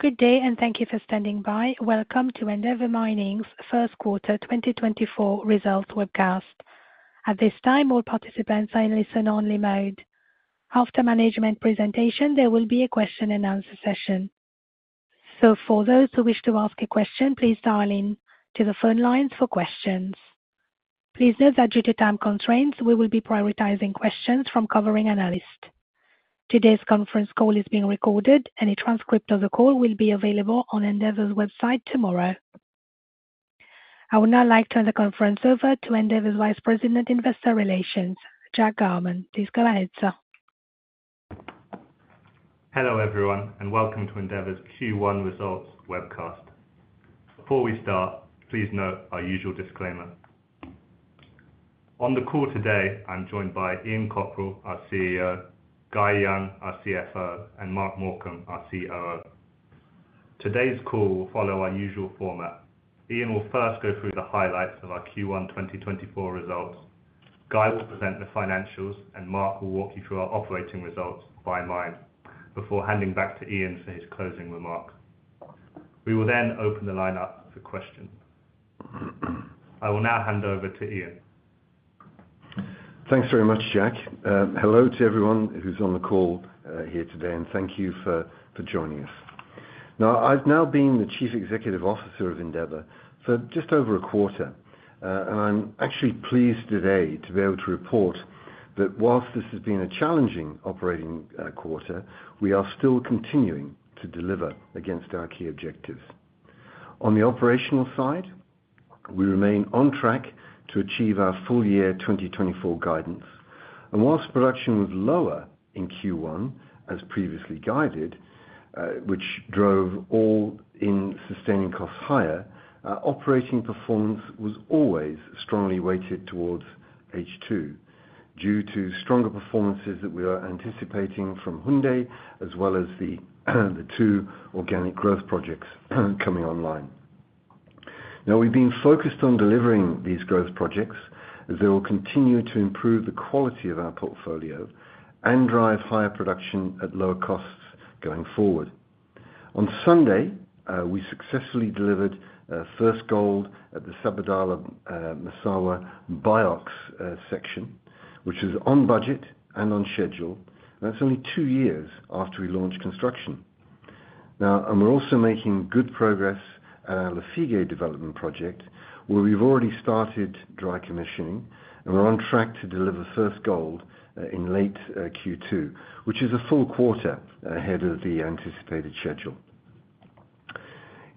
Good day, and thank you for standing by. Welcome to Endeavour Mining's First Quarter 2024 Results Webcast. At this time, all participants are in listen-only mode. After management presentation, there will be a question-and-answer session. So for those who wish to ask a question, please dial in to the phone lines for questions. Please note that due to time constraints, we will be prioritizing questions from covering analysts. Today's conference call is being recorded, and a transcript of the call will be available on Endeavour's website tomorrow. I would now like to turn the conference over to Endeavour's Vice President, Investor Relations, Jack Garman. Please go ahead, sir. Hello, everyone, and welcome to Endeavour's Q1 2024 Results Webcast. Before we start, please note our usual disclaimer. On the call today, I'm joined by Ian Cockerill, our CEO, Guy Young, our CFO, and Mark Morcombe, our COO. Today's call will follow our usual format. Ian will first go through the highlights of our Q1 2024 results. Guy will present the financials, and Mark will walk you through our operating results by mine, before handing back to Ian for his closing remark. We will then open the line up for questions. I will now hand over to Ian. Thanks very much, Jack. Hello to everyone who's on the call here today, and thank you for joining us. Now, I've now been the Chief Executive Officer of Endeavour for just over a quarter, and I'm actually pleased today to be able to report that while this has been a challenging operating quarter, we are still continuing to deliver against our key objectives. On the operational side, we remain on track to achieve our full-year 2024 guidance. While production was lower in Q1, as previously guided, which drove all-in sustaining costs higher, operating performance was always strongly weighted towards H2, due to stronger performances that we are anticipating from Houndé, as well as the two organic growth projects coming online. Now, we've been focused on delivering these growth projects, as they will continue to improve the quality of our portfolio and drive higher production at lower costs going forward. On Sunday, we successfully delivered first gold at the Sabodala-Massawa BIOX section, which is on budget and on schedule, and that's only two years after we launched construction. Now, we're also making good progress at our Lafigué development project, where we've already started dry commissioning, and we're on track to deliver first gold in late Q2, which is a full quarter ahead of the anticipated schedule.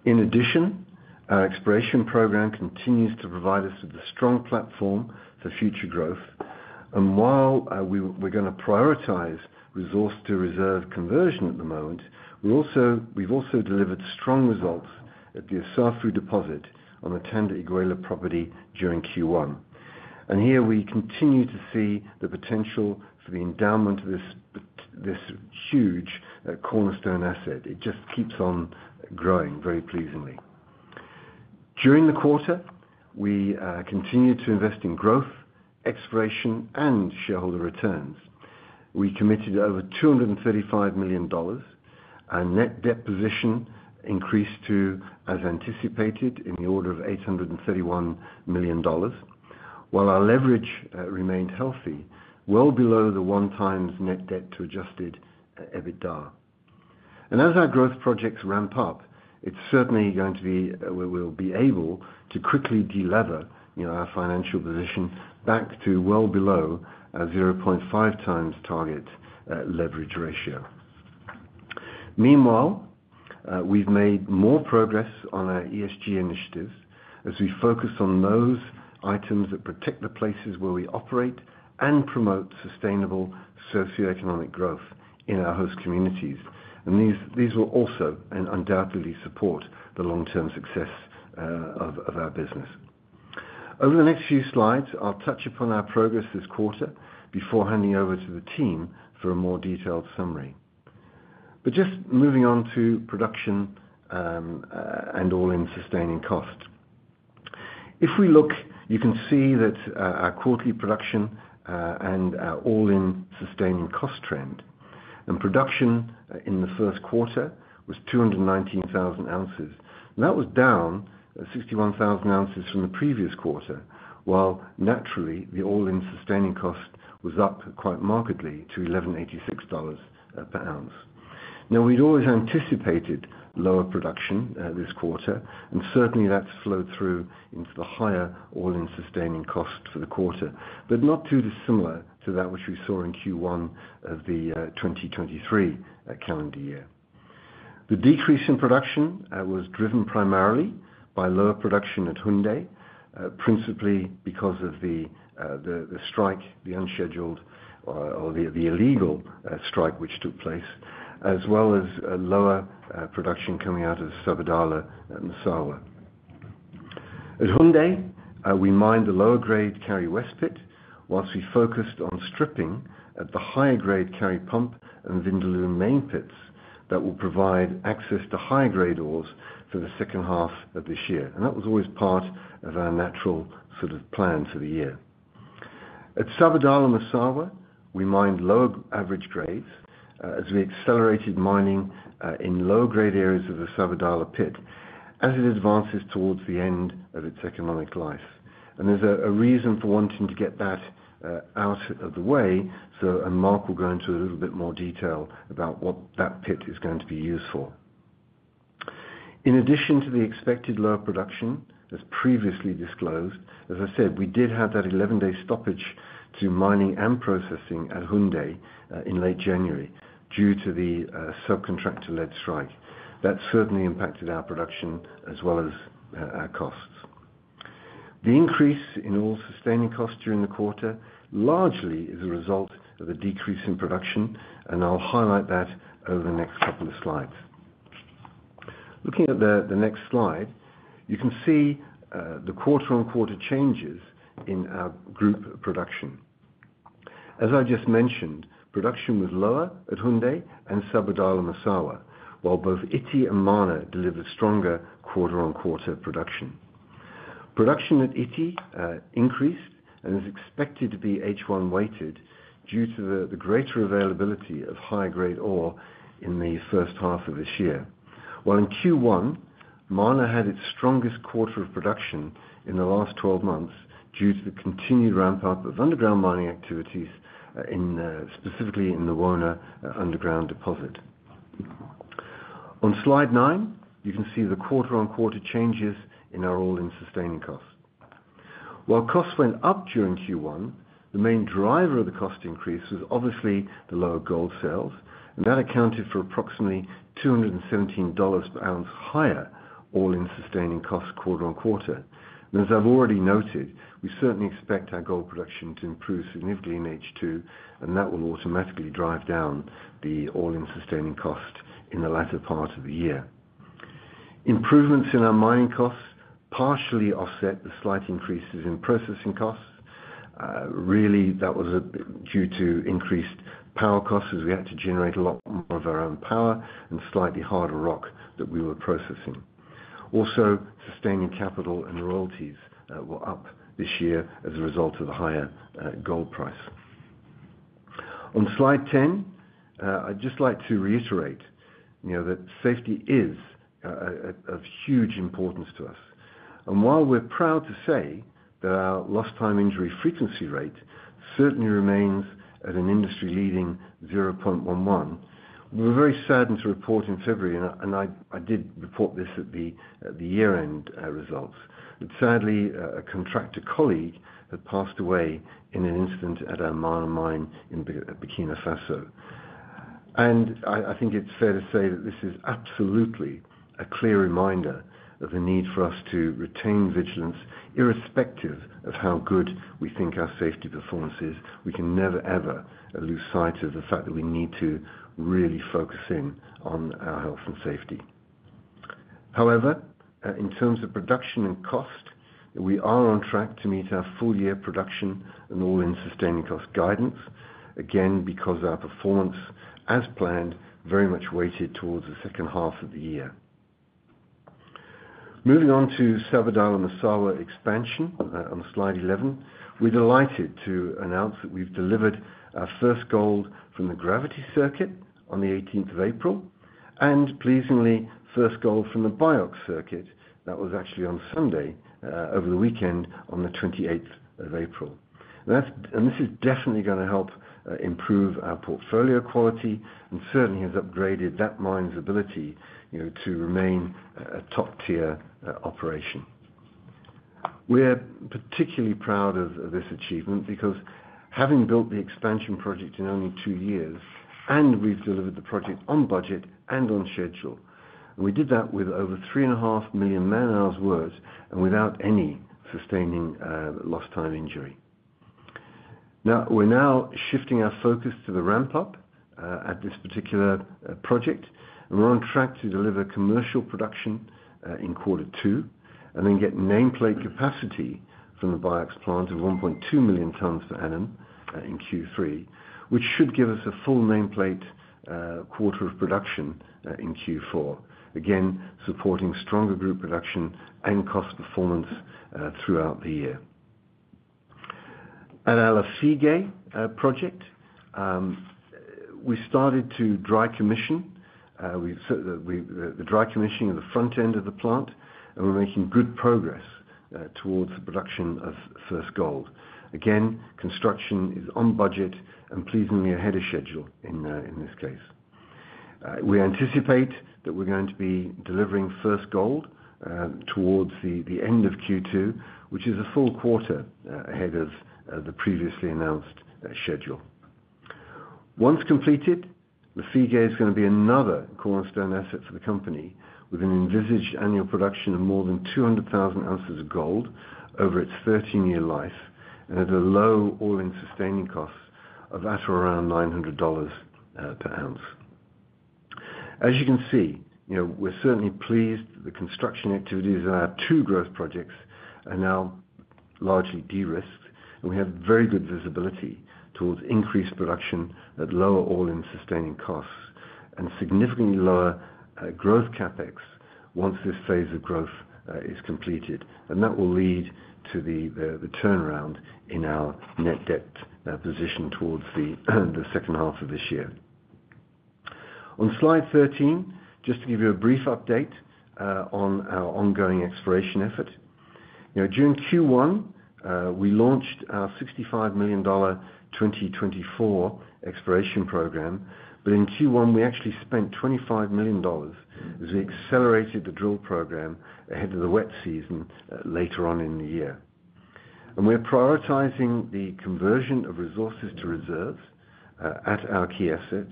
In addition, our exploration program continues to provide us with a strong platform for future growth. And while we're gonna prioritize resource-to-reserve conversion at the moment, we've also delivered strong results at the Assafou deposit on the Tanda-Iguela property during Q1. Here we continue to see the potential for the endowment of this, this huge, cornerstone asset. It just keeps on growing very pleasingly. During the quarter, we continued to invest in growth, exploration, and shareholder returns. We committed over $235 million, our net debt position increased to, as anticipated, in the order of $831 million, while our leverage remained healthy, well below the 1x net debt to adjusted EBITDA. And as our growth projects ramp up, it's certainly going to be, we will be able to quickly de-lever, you know, our financial position back to well below a 0.5x target leverage ratio. Meanwhile, we've made more progress on our ESG initiatives as we focus on those items that protect the places where we operate and promote sustainable socioeconomic growth in our host communities. And these, these will also and undoubtedly support the long-term success, of, of our business. Over the next few slides, I'll touch upon our progress this quarter before handing over to the team for a more detailed summary. But just moving on to production, and all-in sustaining cost. If we look, you can see that, our quarterly production, and our all-in sustaining cost trend. And production, in the first quarter was 219,000 ounces, and that was down 61,000 ounces from the previous quarter, while naturally, the all-in sustaining cost was up quite markedly to $1,186 per ounce. Now, we'd always anticipated lower production this quarter, and certainly that's flowed through into the higher all-in sustaining cost for the quarter, but not too dissimilar to that which we saw in Q1 of the 2023 calendar year. The decrease in production was driven primarily by lower production at Houndé, principally because of the strike, the unscheduled or the illegal strike, which took place, as well as lower production coming out of Sabodala-Massawa. At Houndé, we mined the lower grade Kari West pit, whilst we focused on stripping at the higher grade Kari Pump and Vindaloo Main pits, that will provide access to high-grade ores for the second half of this year. And that was always part of our natural sort of plan for the year. At Sabodala-Massawa, we mined low average grades as we accelerated mining in low-grade areas of the Sabodala pit as it advances towards the end of its economic life. There's a reason for wanting to get that out of the way, and Mark will go into a little bit more detail about what that pit is going to be used for. In addition to the expected lower production, as previously disclosed, as I said, we did have that 11-day stoppage to mining and processing at Houndé in late January, due to the subcontractor-led strike. That certainly impacted our production as well as our costs. The increase in all-in sustaining costs during the quarter largely is a result of a decrease in production, and I'll highlight that over the next couple of slides. Looking at the next slide, you can see the quarter-on-quarter changes in our group production. As I just mentioned, production was lower at Houndé and Sabodala-Massawa, while both Ity and Mana delivered stronger quarter-on-quarter production. Production at Ity increased and is expected to be H1 weighted due to the greater availability of high-grade ore in the first half of this year. While in Q1, Mana had its strongest quarter of production in the last 12 months due to the continued ramp-up of underground mining activities in specifically in the Wona Underground deposit. On slide nine, you can see the quarter-on-quarter changes in our all-in sustaining costs. While costs went up during Q1, the main driver of the cost increase was obviously the lower gold sales, and that accounted for approximately $217 per ounce higher all-in sustaining costs quarter-on-quarter. As I've already noted, we certainly expect our gold production to improve significantly in H2, and that will automatically drive down the all-in sustaining cost in the latter part of the year. Improvements in our mining costs partially offset the slight increases in processing costs. Really, that was due to increased power costs, as we had to generate a lot more of our own power and slightly harder rock that we were processing. Also, sustaining capital and royalties were up this year as a result of the higher gold price. On slide 10, I'd just like to reiterate, you know, that safety is of huge importance to us. While we're proud to say that our lost time injury frequency rate certainly remains at an industry-leading 0.11, we were very saddened to report in February, and I did report this at the year-end results, that sadly, a contractor colleague had passed away in an incident at our Mana mine in Burkina Faso. I think it's fair to say that this is absolutely a clear reminder of the need for us to retain vigilance, irrespective of how good we think our safety performance is. We can never, ever lose sight of the fact that we need to really focus in on our health and safety. However, in terms of production and cost, we are on track to meet our full-year production and all-in sustaining cost guidance, again, because our performance, as planned, very much weighted towards the second half of the year. Moving on to Sabodala-Massawa expansion, on slide 11, we're delighted to announce that we've delivered our first gold from the gravity circuit on the eighteenth of April, and pleasingly, first gold from the BIOX circuit. That was actually on Sunday, over the weekend on the twenty-eighth of April. That's and this is definitely gonna help improve our portfolio quality and certainly has upgraded that mine's ability, you know, to remain a top-tier operation. We're particularly proud of this achievement because having built the expansion project in only two years, and we've delivered the project on budget and on schedule, and we did that with over 3.5 million man-hours worth, and without any lost time injury. Now, we're shifting our focus to the ramp-up at this particular project, and we're on track to deliver commercial production in quarter two, and then get nameplate capacity from the BIOX plant of 1.2 million tons per annum in Q3, which should give us a full nameplate quarter of production in Q4. Again, supporting stronger group production and cost performance throughout the year. At our Lafigué project, we started to dry commission. So, the dry commissioning of the front end of the plant, and we're making good progress towards the production of first gold. Again, construction is on budget and pleasingly ahead of schedule in this case. We anticipate that we're going to be delivering first gold towards the end of Q2, which is a full quarter ahead of the previously announced schedule. Once completed, the Lafigué is gonna be another cornerstone asset for the company, with an envisaged annual production of more than 200,000 ounces of gold over its 13-year life, and at a low all-in sustaining cost of at around $900 per ounce. As you can see, you know, we're certainly pleased that the construction activities of our two growth projects are now largely de-risked, and we have very good visibility towards increased production at lower all-in sustaining costs... and significantly lower growth CapEx once this phase of growth is completed. And that will lead to the turnaround in our net debt position towards the second half of this year. On Slide 13, just to give you a brief update on our ongoing exploration effort. You know, during Q1, we launched our $65 million 2024 exploration program, but in Q1, we actually spent $25 million as we accelerated the drill program ahead of the wet season later on in the year. We're prioritizing the conversion of resources to reserves at our key assets,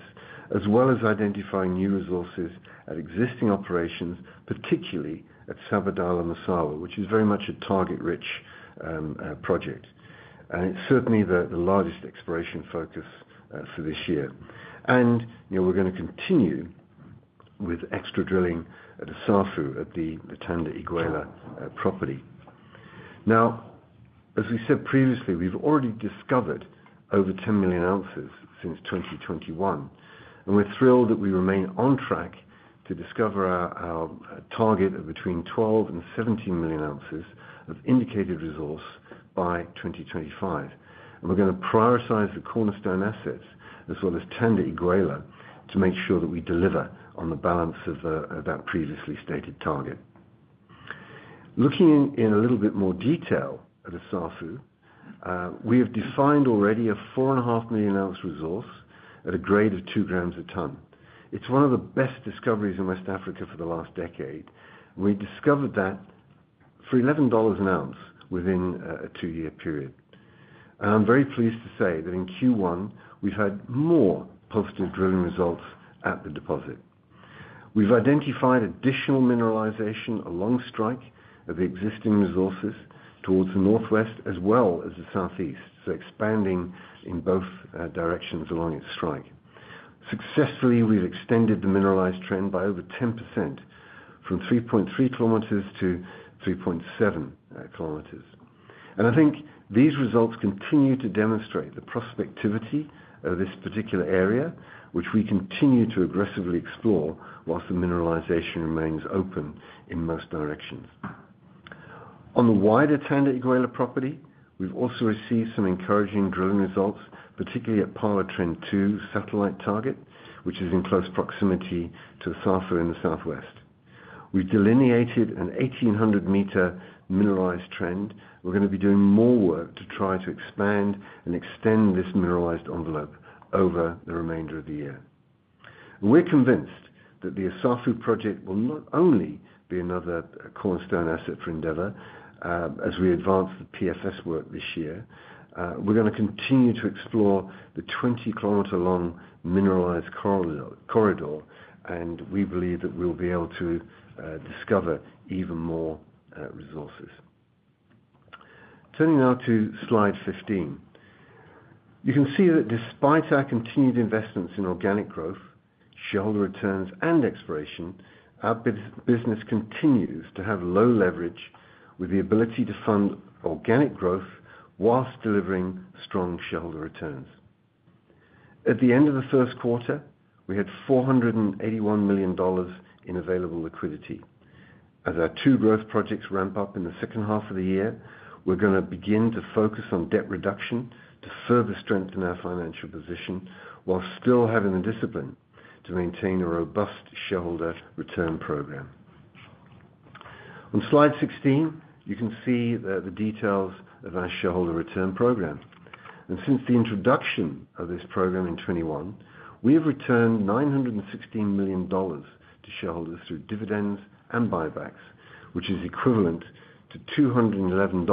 as well as identifying new resources at existing operations, particularly at Sabodala-Massawa, which is very much a target-rich project. And it's certainly the largest exploration focus for this year. And, you know, we're gonna continue with extra drilling at Assafou, at the Tanda-Iguela property. Now, as we said previously, we've already discovered over 10 million ounces since 2021, and we're thrilled that we remain on track to discover our target of between 12 and 17 million ounces of Indicated Resource by 2025. And we're gonna prioritize the cornerstone assets, as well as Tanda-Iguela, to make sure that we deliver on the balance of that previously stated target. Looking in a little bit more detail at Assafou, we have defined already a 4.5 million ounce resource at a grade of 2 grams a ton. It's one of the best discoveries in West Africa for the last decade. We discovered that for $11 an ounce within a two-year period. And I'm very pleased to say that in Q1, we've had more positive drilling results at the deposit. We've identified additional mineralization along strike of the existing resources towards the northwest as well as the southeast, so expanding in both directions along its strike. Successfully, we've extended the mineralized trend by over 10%, from 3.3 kilometers to 3.7 kilometers. I think these results continue to demonstrate the prospectivity of this particular area, which we continue to aggressively explore whilst the mineralization remains open in most directions. On the wider Tanda-Iguela property, we've also received some encouraging drilling results, particularly at Pala Trend 2 satellite target, which is in close proximity to Assafou in the southwest. We've delineated a 1,800-meter mineralized trend. We're gonna be doing more work to try to expand and extend this mineralized envelope over the remainder of the year. We're convinced that the Assafou project will not only be another cornerstone asset for Endeavour, as we advance the PFS work this year, we're gonna continue to explore the 20-kilometer-long mineralized corridor, and we believe that we'll be able to discover even more resources. Turning now to Slide 15. You can see that despite our continued investments in organic growth, shareholder returns, and exploration, our business continues to have low leverage with the ability to fund organic growth whilst delivering strong shareholder returns. At the end of the first quarter, we had $481 million in available liquidity. As our two growth projects ramp up in the second half of the year, we're gonna begin to focus on debt reduction to further strengthen our financial position, while still having the discipline to maintain a robust shareholder return program. On Slide 16, you can see the details of our shareholder return program. Since the introduction of this program in 2021, we have returned $916 million to shareholders through dividends and buybacks, which is equivalent to $211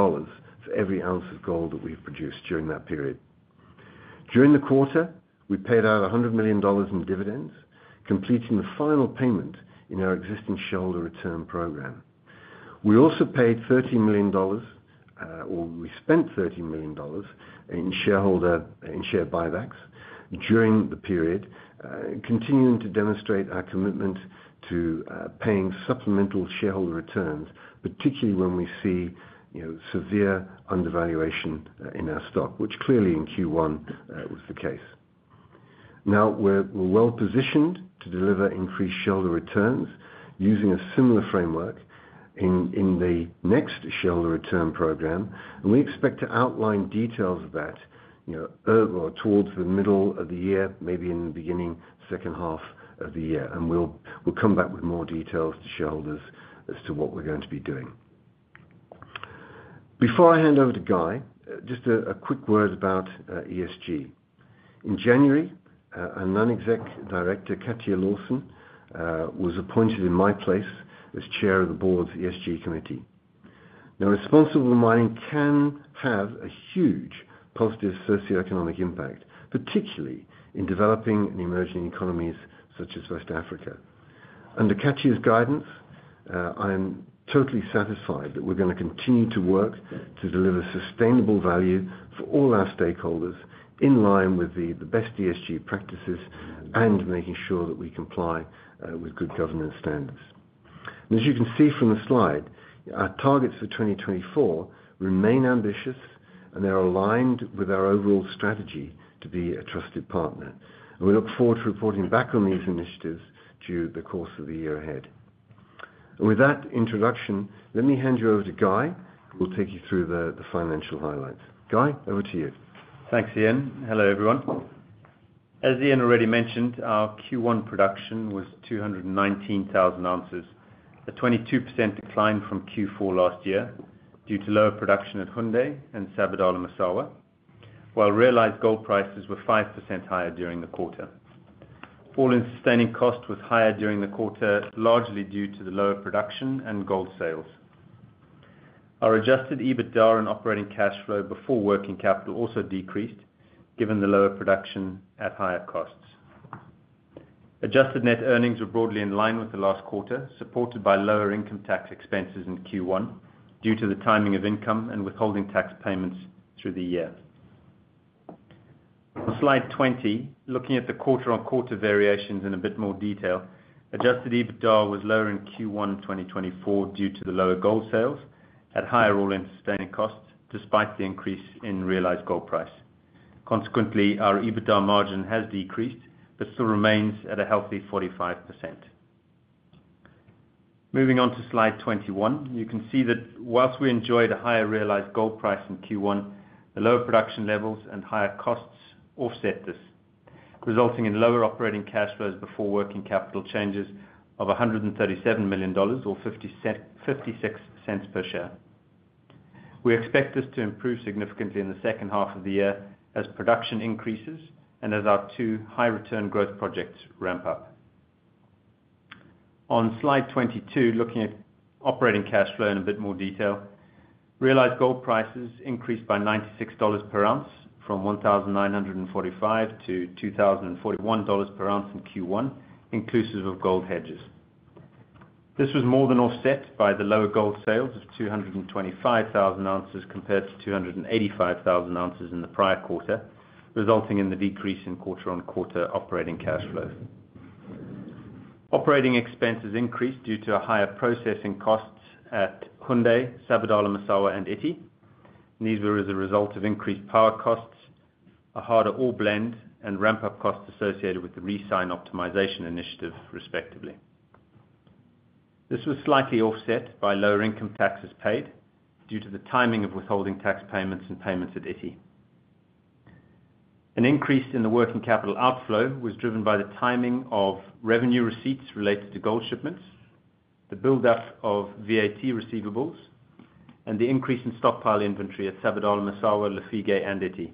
for every ounce of gold that we've produced during that period. During the quarter, we paid out $100 million in dividends, completing the final payment in our existing shareholder return program. We also paid thirteen million dollars, or we spent $13 million in share buybacks during the period, continuing to demonstrate our commitment to paying supplemental shareholder returns, particularly when we see, you know, severe undervaluation in our stock, which clearly in Q1 was the case. Now, we're well positioned to deliver increased shareholder returns using a similar framework in the next shareholder return program, and we expect to outline details of that, you know, or towards the middle of the year, maybe in the beginning, second half of the year. And we'll come back with more details to shareholders as to what we're going to be doing. Before I hand over to Guy, just a quick word about ESG. In January, a non-executive director, Cathia Lawson-Hall, was appointed in my place as chair of the board's ESG committee. Now, responsible mining can have a huge positive socioeconomic impact, particularly in developing and emerging economies such as West Africa. Under Cathia's guidance, I am totally satisfied that we're gonna continue to work to deliver sustainable value for all our stakeholders in line with the best ESG practices and making sure that we comply with good governance standards. As you can see from the slide, our targets for 2024 remain ambitious, and they are aligned with our overall strategy to be a trusted partner. We look forward to reporting back on these initiatives through the course of the year ahead. With that introduction, let me hand you over to Guy, who will take you through the financial highlights. Guy, over to you. Thanks, Ian. Hello, everyone. As Ian already mentioned, our Q1 production was 219,000 ounces, a 22% decline from Q4 last year due to lower production at Houndé and Sabodala-Massawa, while realized gold prices were 5% higher during the quarter. All-in sustaining cost was higher during the quarter, largely due to the lower production and gold sales. Our adjusted EBITDA and operating cash flow before working capital also decreased, given the lower production at higher costs. Adjusted net earnings were broadly in line with the last quarter, supported by lower income tax expenses in Q1, due to the timing of income and withholding tax payments through the year. Slide 20, looking at the quarter-on-quarter variations in a bit more detail. Adjusted EBITDA was lower in Q1 2024 due to the lower gold sales at higher all-in sustaining costs, despite the increase in realized gold price. Consequently, our EBITDA margin has decreased, but still remains at a healthy 45%. Moving on to slide 21, you can see that whilst we enjoyed a higher realized gold price in Q1, the lower production levels and higher costs offset this, resulting in lower operating cash flows before working capital changes of $137 million, or fifty-six cents per share. We expect this to improve significantly in the second half of the year as production increases and as our two high return growth projects ramp up. On slide 22, looking at operating cash flow in a bit more detail. Realized gold prices increased by $96 per ounce, from $1,945-$2,041 per ounce in Q1, inclusive of gold hedges. This was more than offset by the lower gold sales of 225,000 ounces compared to 285,000 ounces in the prior quarter, resulting in the decrease in quarter-on-quarter operating cash flow. Operating expenses increased due to a higher processing cost at Houndé, Sabodala-Massawa, and Ity. These were as a result of increased power costs, a harder ore blend, and ramp-up costs associated with the RecyN optimization initiative, respectively. This was slightly offset by lower income taxes paid due to the timing of withholding tax payments and payments at Ity. An increase in the working capital outflow was driven by the timing of revenue receipts related to gold shipments, the buildup of VAT receivables, and the increase in stockpile inventory at Sabodala-Massawa, Lafigué, and Ity,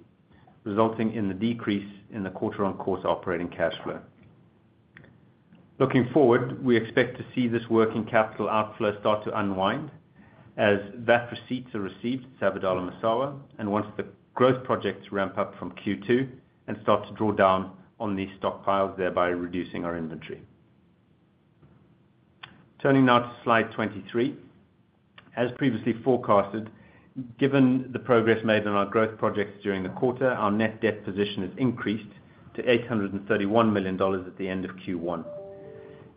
resulting in the decrease in the quarter-on-quarter operating cash flow. Looking forward, we expect to see this working capital outflow start to unwind as VAT receipts are received at Sabodala-Massawa, and once the growth projects ramp up from Q2 and start to draw down on these stockpiles, thereby reducing our inventory. Turning now to slide 23. As previously forecasted, given the progress made on our growth projects during the quarter, our net debt position has increased to $831 million at the end of Q1.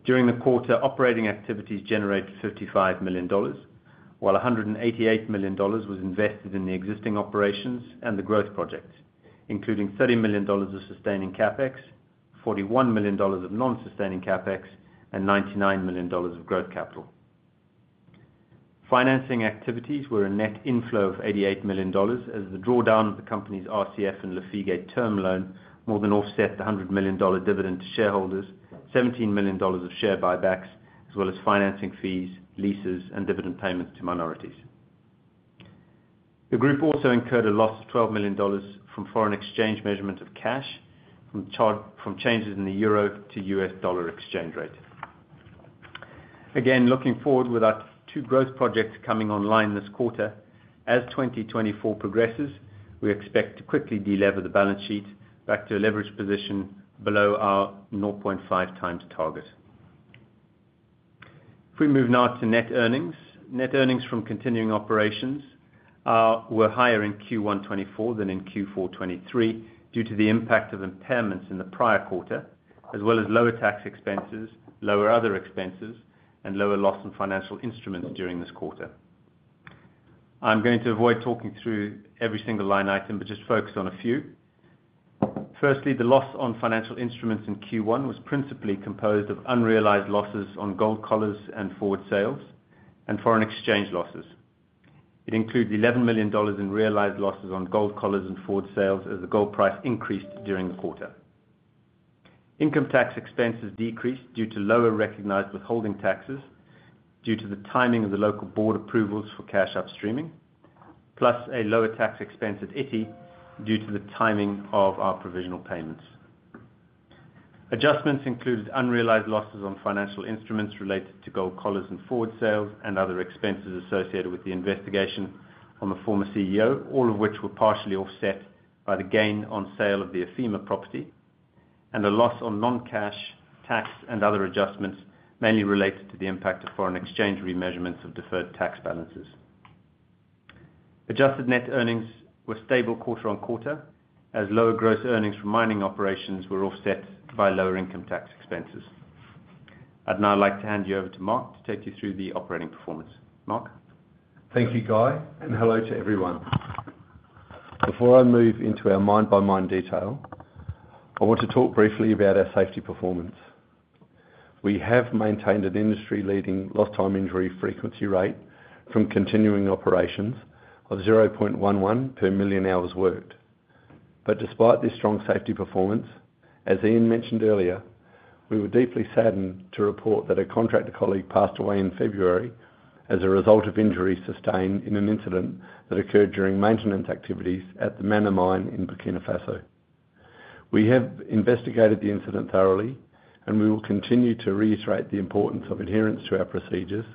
During the quarter, operating activities generated $55 million, while $188 million was invested in the existing operations and the growth projects, including $30 million of sustaining CapEx, $41 million of non-sustaining CapEx, and $99 million of growth capital. Financing activities were a net inflow of $88 million, as the drawdown of the company's RCF and Lafigué term loan more than offset the $100 million dividend to shareholders, $17 million of share buybacks, as well as financing fees, leases, and dividend payments to minorities. The group also incurred a loss of $12 million from foreign exchange measurement of cash, from changes in the euro to U.S. dollar exchange rate. Again, looking forward with our two growth projects coming online this quarter, as 2024 progresses, we expect to quickly delever the balance sheet back to a leverage position below our 0.5 times target. If we move now to net earnings. Net earnings from continuing operations were higher in Q1 2024 than in Q4 2023, due to the impact of impairments in the prior quarter, as well as lower tax expenses, lower other expenses, and lower loss in financial instruments during this quarter. I'm going to avoid talking through every single line item, but just focus on a few. Firstly, the loss on financial instruments in Q1 was principally composed of unrealized losses on gold collars and forward sales, and foreign exchange losses. It includes $11 million in realized losses on gold collars and forward sales as the gold price increased during the quarter. Income tax expenses decreased due to lower recognized withholding taxes, due to the timing of the local board approvals for cash upstreaming, plus a lower tax expense at Ity due to the timing of our provisional payments. Adjustments included unrealized losses on financial instruments related to gold collars and forward sales, and other expenses associated with the investigation on the former CEO, all of which were partially offset by the gain on sale of the Afema property, and a loss on non-cash, tax, and other adjustments, mainly related to the impact of foreign exchange remeasurements of deferred tax balances. Adjusted net earnings were stable quarter on quarter, as lower gross earnings from mining operations were offset by lower income tax expenses. I'd now like to hand you over to Mark to take you through the operating performance. Mark? Thank you, Guy, and hello to everyone. Before I move into our mine-by-mine detail, I want to talk briefly about our safety performance. We have maintained an industry-leading lost-time injury frequency rate from continuing operations of 0.11 per million hours worked. But despite this strong safety performance, as Ian mentioned earlier, we were deeply saddened to report that a contractor colleague passed away in February as a result of injuries sustained in an incident that occurred during maintenance activities at the Mana mine in Burkina Faso. We have investigated the incident thoroughly, and we will continue to reiterate the importance of adherence to our procedures,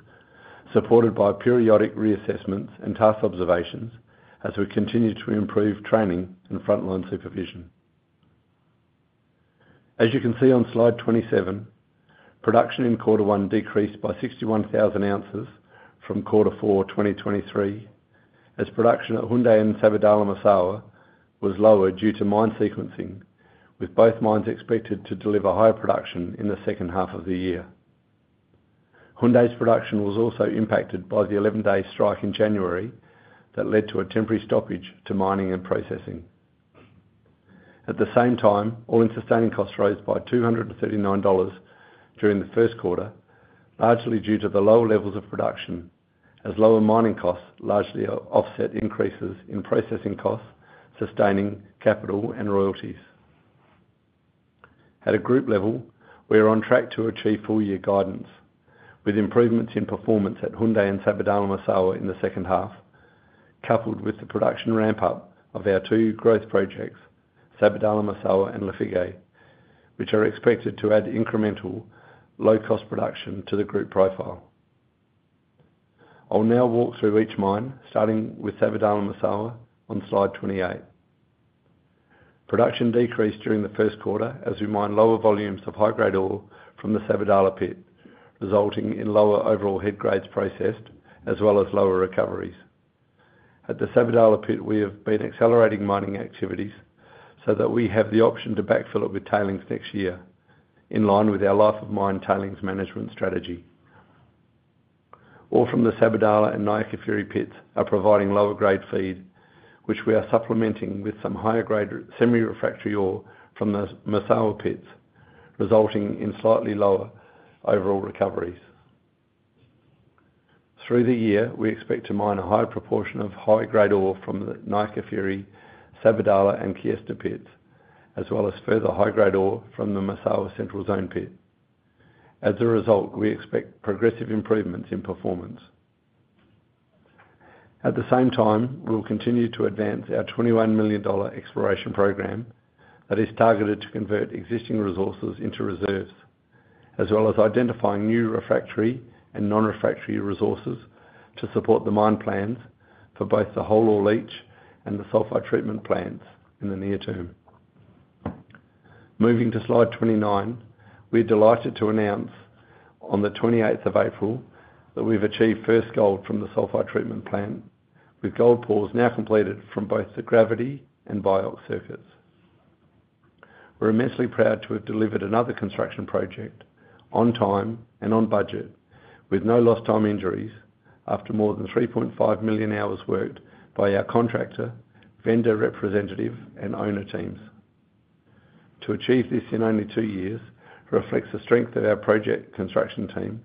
supported by periodic reassessments and task observations as we continue to improve training and frontline supervision. As you can see on slide 27, production in Quarter One decreased by 61,000 ounces from Quarter Four 2023, as production at Houndé and Sabodala-Massawa was lower due to mine sequencing, with both mines expected to deliver higher production in the second half of the year. Houndé's production was also impacted by the 11-day strike in January that led to a temporary stoppage to mining and processing. At the same time, all-in sustaining costs rose by $239 during the first quarter, largely due to the lower levels of production, as lower mining costs largely offset increases in processing costs, sustaining capital and royalties. At a group level, we are on track to achieve full year guidance, with improvements in performance at Houndé and Sabodala-Massawa in the second half, coupled with the production ramp-up of our two growth projects, Sabodala-Massawa and Lafigué, which are expected to add incremental low-cost production to the group profile. I'll now walk through each mine, starting with Sabodala-Massawa on slide 28. Production decreased during the first quarter as we mined lower volumes of high-grade ore from the Sabodala pit, resulting in lower overall head grades processed as well as lower recoveries. At the Sabodala pit, we have been accelerating mining activities so that we have the option to backfill it with tailings next year, in line with our life of mine tailings management strategy. Ore from the Sabodala and Niakafiri pits are providing lower-grade feed, which we are supplementing with some higher-grade semi-refractory ore from the Massawa pits, resulting in slightly lower overall recoveries. Through the year, we expect to mine a higher proportion of high-grade ore from the Niakafiri, Sabodala, and Kiesta pits, as well as further high-grade ore from the Massawa Central Zone pit. As a result, we expect progressive improvements in performance. At the same time, we will continue to advance our $21 million exploration program that is targeted to convert existing resources into reserves, as well as identifying new refractory and non-refractory resources to support the mine plans for both the whole ore leach and the Sulfide Treatment Plant in the near term. Moving to slide 29, we're delighted to announce on the 28th of April, that we've achieved first gold from the Sulphide Treatment Plant, with gold pours now completed from both the gravity and BIOX circuits. We're immensely proud to have delivered another construction project on time and on budget, with no lost time injuries after more than 3.5 million hours worked by our contractor, vendor representative, and owner teams. To achieve this in only two years reflects the strength of our project construction team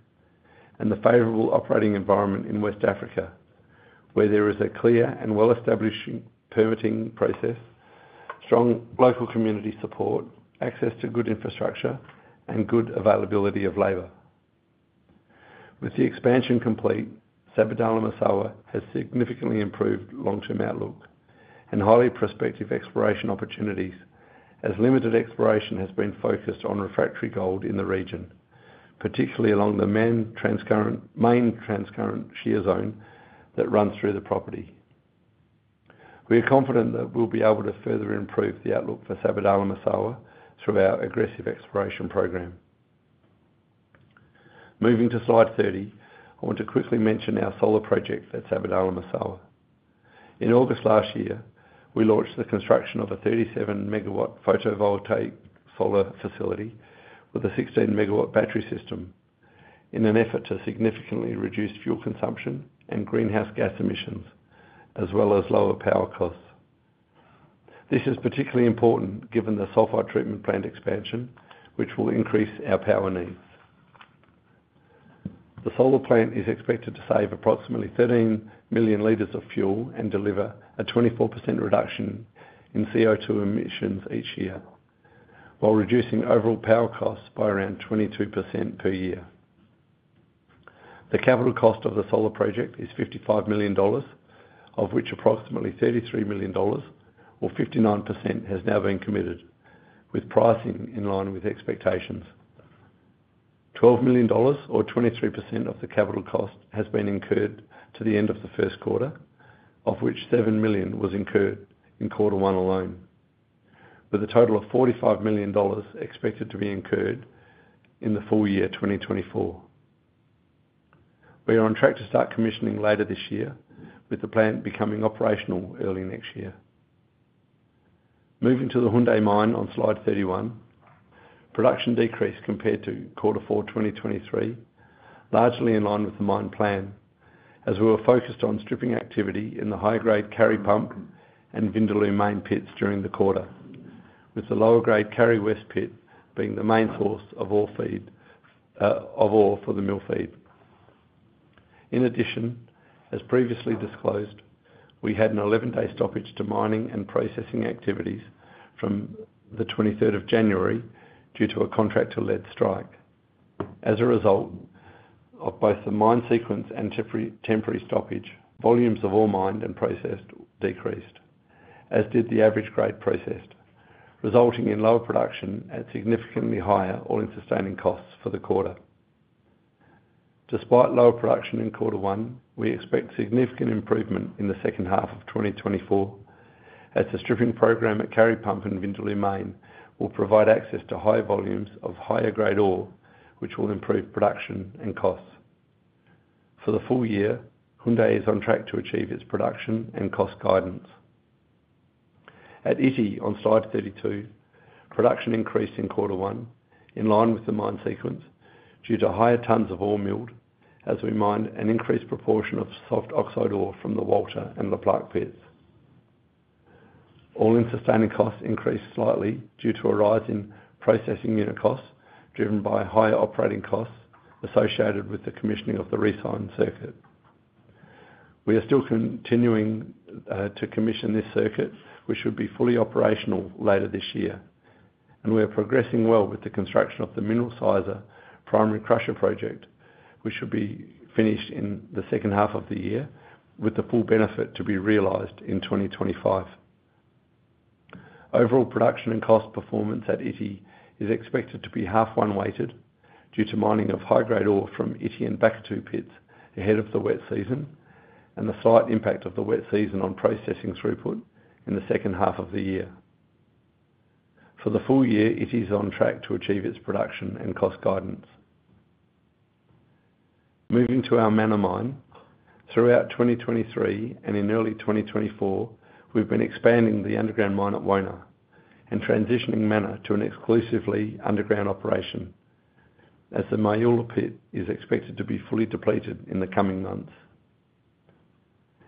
and the favorable operating environment in West Africa, where there is a clear and well-established permitting process, strong local community support, access to good infrastructure, and good availability of labor. With the expansion complete, Sabodala-Massawa has significantly improved long-term outlook and highly prospective exploration opportunities, as limited exploration has been focused on refractory gold in the region, particularly along the Main Transcurrent Shear Zone that runs through the property. We are confident that we'll be able to further improve the outlook for Sabodala-Massawa through our aggressive exploration program. Moving to slide 30, I want to quickly mention our solar project at Sabodala-Massawa. In August last year, we launched the construction of a 37-megawatt photovoltaic solar facility with a 16-megawatt battery system in an effort to significantly reduce fuel consumption and greenhouse gas emissions, as well as lower power costs. This is particularly important given the Sulphide Treatment Plant expansion, which will increase our power needs. The solar plant is expected to save approximately 13 million liters of fuel and deliver a 24% reduction in CO2 emissions each year, while reducing overall power costs by around 22% per year. The capital cost of the solar project is $55 million, of which approximately $33 million, or 59%, has now been committed, with pricing in line with expectations. $12 million, or 23% of the capital cost, has been incurred to the end of the first quarter, of which $7 million was incurred in Quarter One alone, with a total of $45 million expected to be incurred in the full year, 2024. We are on track to start commissioning later this year, with the plant becoming operational early next year. Moving to the Houndé Mine on slide 31, production decreased compared to Quarter 4 2023, largely in line with the mine plan, as we were focused on stripping activity in the high-grade Kari Pump and Vindaloo Main pits during the quarter, with the lower grade Kari West pit being the main source of ore feed, of ore for the mill feed. In addition, as previously disclosed, we had an 11-day stoppage to mining and processing activities from the 23rd of January due to a contractor-led strike. As a result of both the mine sequence and temporary stoppage, volumes of ore mined and processed decreased, as did the average grade processed, resulting in lower production at significantly higher all-in sustaining costs for the quarter. Despite lower production in Quarter One, we expect significant improvement in the second half of 2024, as the stripping program at Kari Pump and Vindaloo Main will provide access to higher volumes of higher-grade ore, which will improve production and costs. For the full year, Houndé is on track to achieve its production and cost guidance. At Ity, on slide 32, production increased in Quarter One, in line with the mine sequence, due to higher tons of ore milled as we mined an increased proportion of soft oxide ore from the Walter and Le Plaque pits. All-in sustaining costs increased slightly due to a rise in processing unit costs, driven by higher operating costs associated with the commissioning of the RecyN circuit. We are still continuing to commission this circuit, which should be fully operational later this year, and we are progressing well with the construction of the mineral sizer primary crusher project, which should be finished in the second half of the year, with the full benefit to be realized in 2025. Overall production and cost performance at Ity is expected to be H1-weighted due to mining of high-grade ore from Ity and Bakatouo pits ahead of the wet season, and the slight impact of the wet season on processing throughput in the second half of the year. For the full year, Ity is on track to achieve its production and cost guidance. Moving to our Mana Mine. Throughout 2023 and in early 2024, we've been expanding the underground mine at Mana and transitioning Mana to an exclusively underground operation, as the Maoula pit is expected to be fully depleted in the coming months.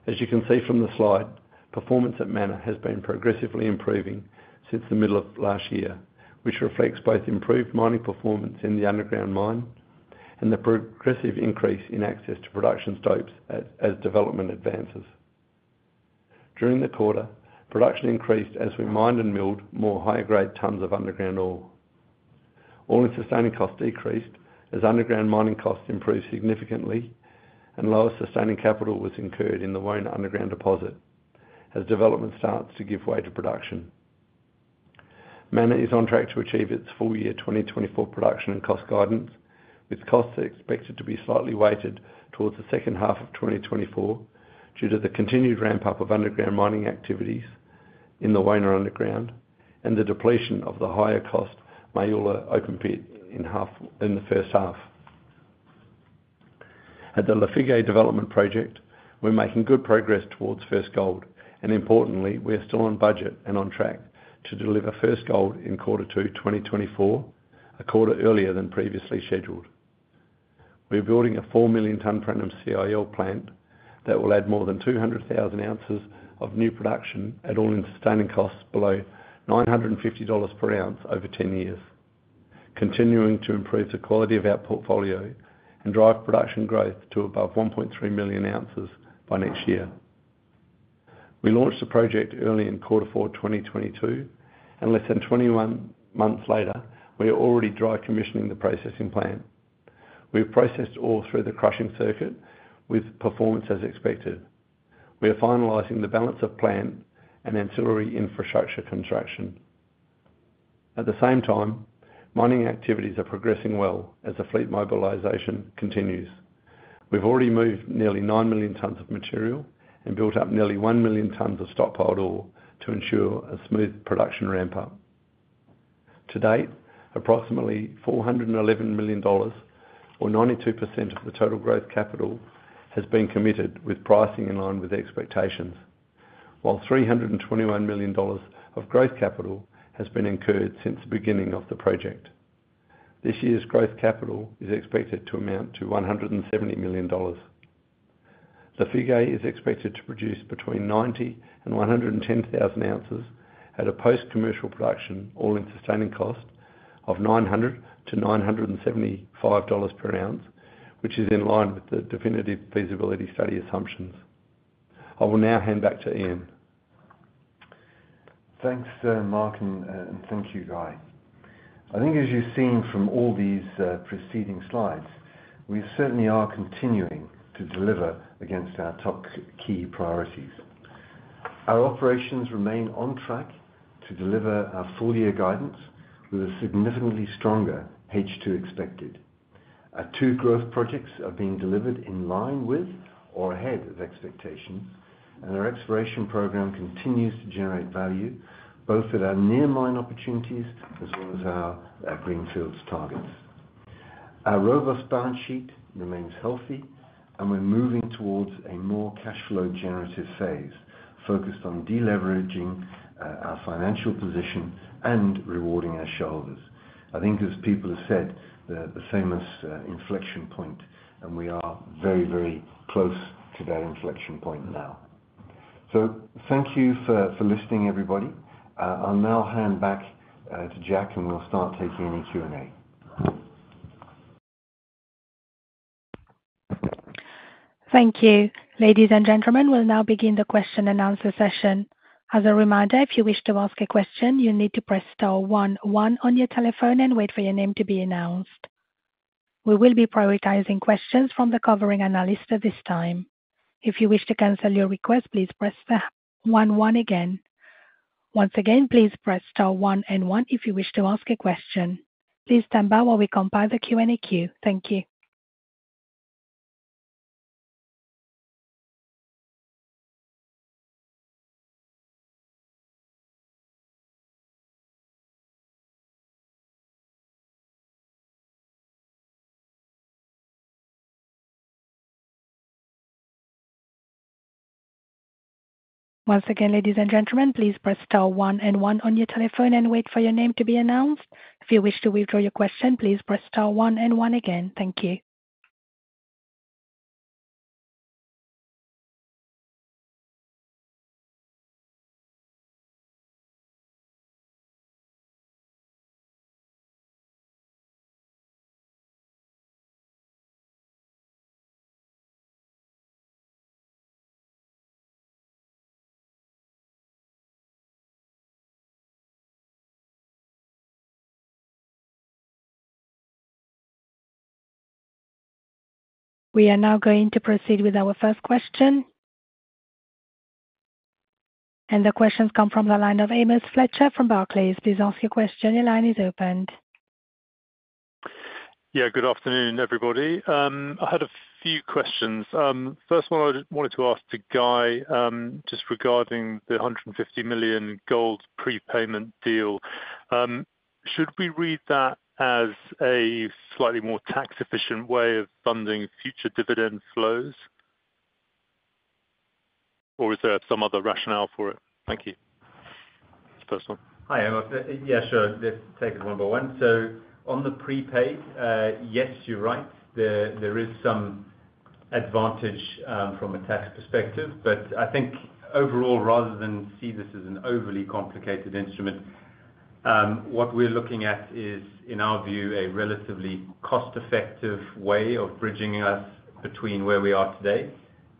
As you can see from the slide, performance at Mana has been progressively improving since the middle of last year, which reflects both improved mining performance in the underground mine and the progressive increase in access to production stopes as development advances. During the quarter, production increased as we mined and milled more high-grade tons of underground ore. All-in sustaining costs decreased as underground mining costs improved significantly and lower sustaining capital was incurred in the Mana underground deposit as development starts to give way to production. Mana is on track to achieve its full year 2024 production and cost guidance, with costs expected to be slightly weighted towards the second half of 2024, due to the continued ramp-up of underground mining activities in the Wona Underground and the depletion of the higher-cost Maoula open pit in the first half. At the Lafigué development project, we're making good progress towards first gold, and importantly, we are still on budget and on track to deliver first gold in Quarter 2 2024, a quarter earlier than previously scheduled. We're building a 4 million ton per annum CIL plant that will add more than 200,000 ounces of new production at All-In Sustaining Costs below $950 per ounce over 10 years, continuing to improve the quality of our portfolio and drive production growth to above 1.3 million ounces by next year. We launched the project early in Quarter 4, 2022, and less than 21 months later, we are already dry commissioning the processing plant. We've processed all through the crushing circuit with performance as expected. We are finalizing the balance of plant and ancillary infrastructure construction. At the same time, mining activities are progressing well as the fleet mobilization continues. We've already moved nearly 9 million tons of material and built up nearly 1 million tons of stockpile ore to ensure a smooth production ramp-up. To date, approximately $411 million, or 92% of the total growth capital, has been committed with pricing in line with expectations, while $321 million of growth capital has been incurred since the beginning of the project. This year's growth capital is expected to amount to $170 million. Lafigué is expected to produce between 90-110,000 ounces at a post-commercial production, all-in sustaining cost of $900-$975 per ounce, which is in line with the Definitive Feasibility Study assumptions. I will now hand back to Ian. Thanks, Mark, and thank you, Guy. I think as you've seen from all these preceding slides, we certainly are continuing to deliver against our top key priorities. Our operations remain on track to deliver our full-year guidance with a significantly stronger H2 expected. ...Our two growth projects are being delivered in line with or ahead of expectations, and our exploration program continues to generate value, both at our near mine opportunities as well as our greenfields targets. Our robust balance sheet remains healthy, and we're moving towards a more cash flow generative phase, focused on deleveraging our financial position and rewarding our shareholders. I think as people have said, the famous inflection point, and we are very, very close to that inflection point now. So thank you for listening everybody. I'll now hand back to Jack, and we'll start taking any Q&A. Thank you. Ladies and gentlemen, we'll now begin the question-and-answer session. As a reminder, if you wish to ask a question, you need to press star one one on your telephone and wait for your name to be announced. We will be prioritizing questions from the covering analyst at this time. If you wish to cancel your request, please press the one one again. Once again, please press star one and one if you wish to ask a question. Please stand by while we compile the Q&A queue. Thank you. Once again, ladies and gentlemen, please press star one and one on your telephone and wait for your name to be announced. If you wish to withdraw your question, please press star one and one again. Thank you. We are now going to proceed with our first question. The question's come from the line of Amos Fletcher from Barclays. Please ask your question. Your line is opened. Yeah, good afternoon, everybody. I had a few questions. First one, I wanted to ask to Guy, just regarding the $150 million gold prepayment deal. Should we read that as a slightly more tax efficient way of funding future dividend flows? Or is there some other rationale for it? Thank you. First one. Hi, Amos. Yeah, sure. Let's take it one by one. So on the prepaid, yes, you're right, there is some advantage from a tax perspective, but I think overall, rather than see this as an overly complicated instrument, what we're looking at is, in our view, a relatively cost-effective way of bridging us between where we are today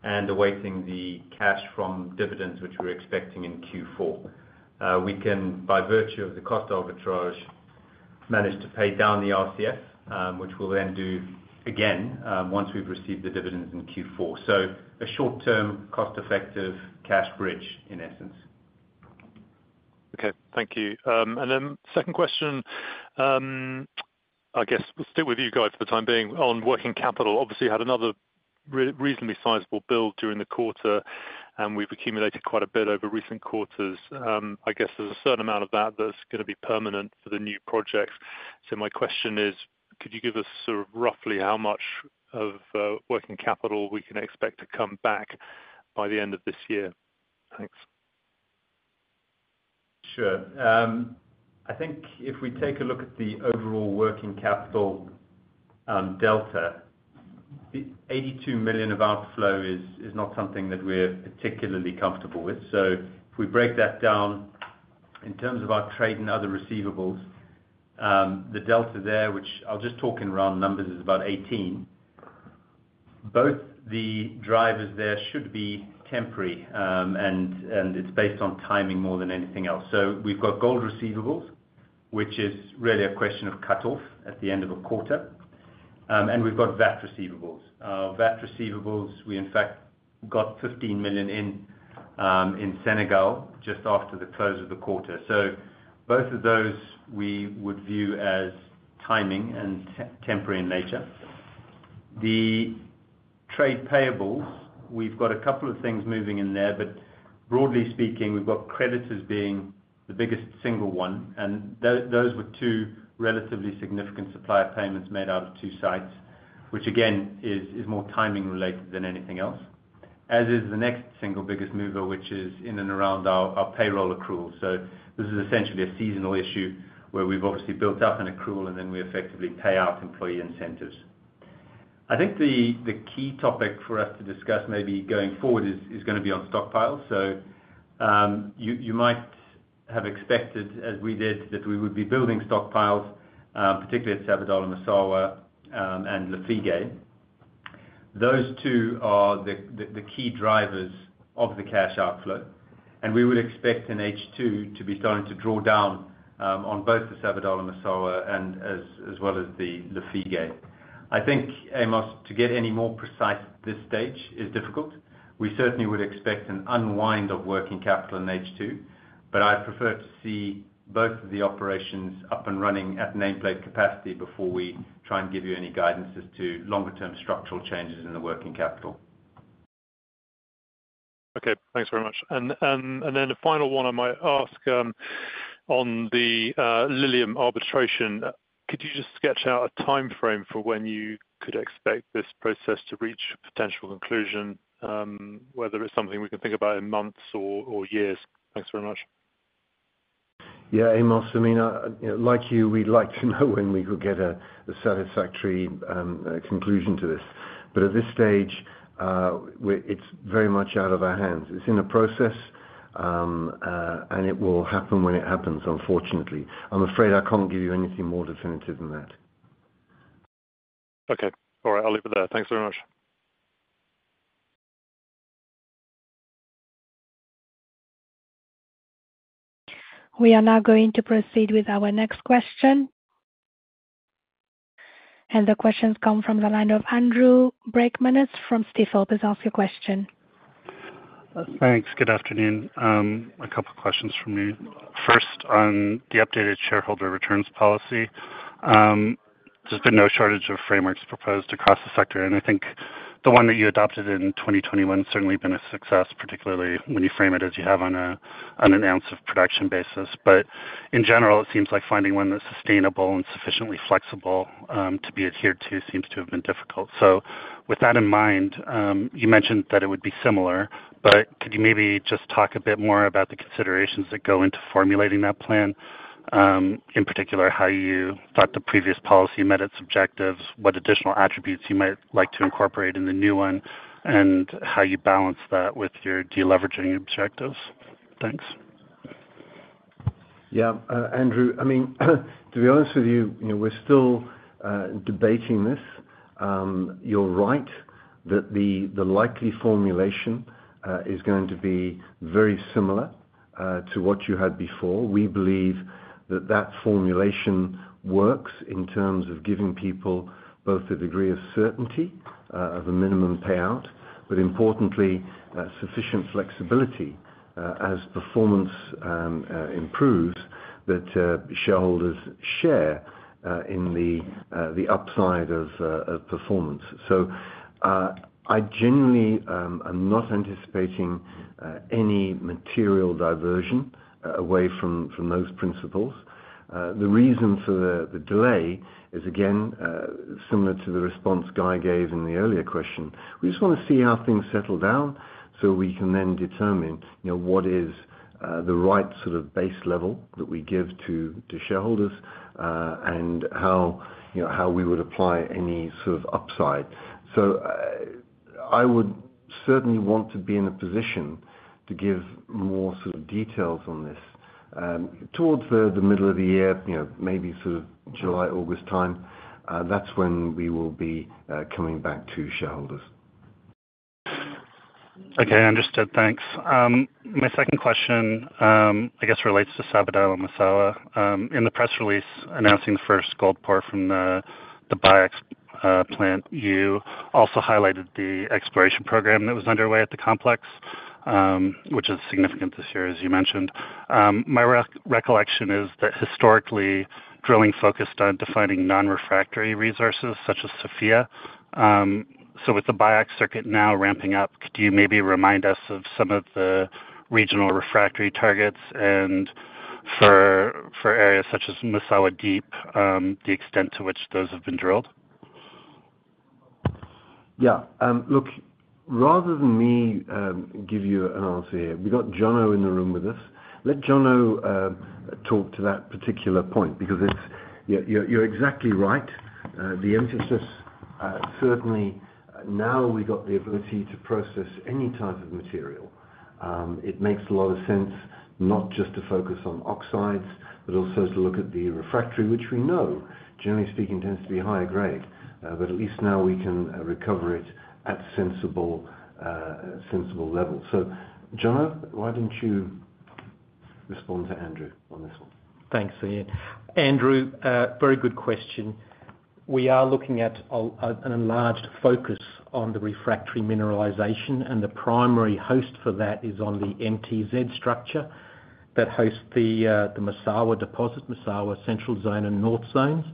and awaiting the cash from dividends, which we're expecting in Q4. We can, by virtue of the cost arbitrage, manage to pay down the RCF, which we'll then do again once we've received the dividends in Q4. So a short-term, cost-effective cash bridge, in essence. Okay. Thank you. And then second question, I guess we'll stick with you, Guy, for the time being. On working capital, obviously had another reasonably sizable build during the quarter, and we've accumulated quite a bit over recent quarters. I guess there's a certain amount of that that's gonna be permanent for the new projects. So my question is, could you give us sort of roughly how much of working capital we can expect to come back by the end of this year? Thanks. Sure. I think if we take a look at the overall working capital, delta, the $82 million of outflow is not something that we're particularly comfortable with. So if we break that down, in terms of our trade and other receivables, the delta there, which I'll just talk in round numbers, is about 18. Both the drivers there should be temporary, and it's based on timing more than anything else. So we've got gold receivables, which is really a question of cut off at the end of a quarter. And we've got VAT receivables. VAT receivables, we in fact got $15 million in Senegal just after the close of the quarter. So both of those we would view as timing and temporary in nature. The trade payables, we've got a couple of things moving in there, but broadly speaking, we've got credits as being the biggest single one, and those were two relatively significant supplier payments made out of two sites, which again, is more timing related than anything else. As is the next single biggest mover, which is in and around our payroll accrual. So this is essentially a seasonal issue, where we've obviously built up an accrual, and then we effectively pay out employee incentives. I think the key topic for us to discuss maybe going forward is gonna be on stockpiles. So, you might have expected, as we did, that we would be building stockpiles, particularly at Sabodala-Massawa and Lafigué. Those two are the key drivers of the cash outflow, and we would expect in H2 to be starting to draw down on both the Sabodala and Massawa and well as the Lafigué. I think, Amos, to get any more precise at this stage is difficult. We certainly would expect an unwind of working capital in H2, but I'd prefer to see both of the operations up and running at nameplate capacity before we try and give you any guidance as to longer term structural changes in the working capital.... Okay, thanks very much. And then the final one I might ask on the Lilium arbitration, could you just sketch out a timeframe for when you could expect this process to reach potential conclusion? Whether it's something we can think about in months or years. Thanks very much. Yeah, Amos, I mean, like you, we'd like to know when we would get a satisfactory conclusion to this. But at this stage, it's very much out of our hands. It's in the process, and it will happen when it happens, unfortunately. I'm afraid I can't give you anything more definitive than that. Okay. All right, I'll leave it there. Thanks very much. We are now going to proceed with our next question. The question's come from the line of Andrew Breichmanas from Stifel. Please ask your question. Thanks. Good afternoon. A couple questions from me. First, on the updated shareholder returns policy, there's been no shortage of frameworks proposed across the sector, and I think the one that you adopted in 2021 has certainly been a success, particularly when you frame it as you have on a, on an ounce of production basis. But in general, it seems like finding one that's sustainable and sufficiently flexible to be adhered to seems to have been difficult. So with that in mind, you mentioned that it would be similar, but could you maybe just talk a bit more about the considerations that go into formulating that plan? In particular, how you thought the previous policy met its objectives, what additional attributes you might like to incorporate in the new one, and how you balance that with your de-leveraging objectives? Thanks. Yeah. Andrew, I mean, to be honest with you, you know, we're still debating this. You're right that the likely formulation is going to be very similar to what you had before. We believe that that formulation works in terms of giving people both a degree of certainty of a minimum payout, but importantly, sufficient flexibility as performance improves, that shareholders share in the upside of performance. So, I generally am not anticipating any material diversion away from those principles. The reason for the delay is, again, similar to the response Guy gave in the earlier question. We just wanna see how things settle down so we can then determine, you know, what is the right sort of base level that we give to shareholders, and how, you know, how we would apply any sort of upside. So I would certainly want to be in a position to give more sort of details on this. Towards the middle of the year, you know, maybe sort of July, August time, that's when we will be coming back to shareholders. Okay, understood. Thanks. My second question, I guess relates to Sabodala-Massawa. In the press release announcing the first gold pour from the BIOX® plant, you also highlighted the exploration program that was underway at the complex, which is significant this year, as you mentioned. My recollection is that historically, drilling focused on defining non-refractory resources such as Sofia. So with the BIOX® circuit now ramping up, could you maybe remind us of some of the regional refractory targets, and for areas such as Massawa Deep, the extent to which those have been drilled? Yeah. Look, rather than me give you an answer here, we've got Jono in the room with us. Let Jono talk to that particular point, because it's... You're exactly right. The emphasis, certainly now we've got the ability to process any type of material, it makes a lot of sense, not just to focus on oxides, but also to look at the refractory, which we know, generally speaking, tends to be higher grade. But at least now we can recover it at sensible levels. So, Jono, why don't you respond to Andrew on this one? Thanks, Ian. Andrew, a very good question. We are looking at an enlarged focus on the refractory mineralization, and the primary host for that is on the MTZ structure that hosts the Massawa deposit, Massawa Central Zone and North zones.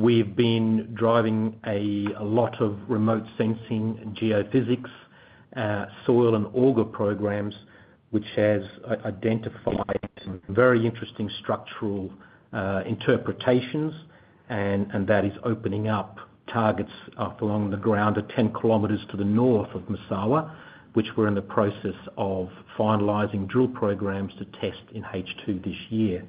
We've been driving a lot of remote sensing geophysics, soil and auger programs, which has identified some very interesting structural interpretations, and that is opening up targets up along the ground at 10 kilometers to the north of Massawa, which we're in the process of finalizing drill programs to test in H2 this year.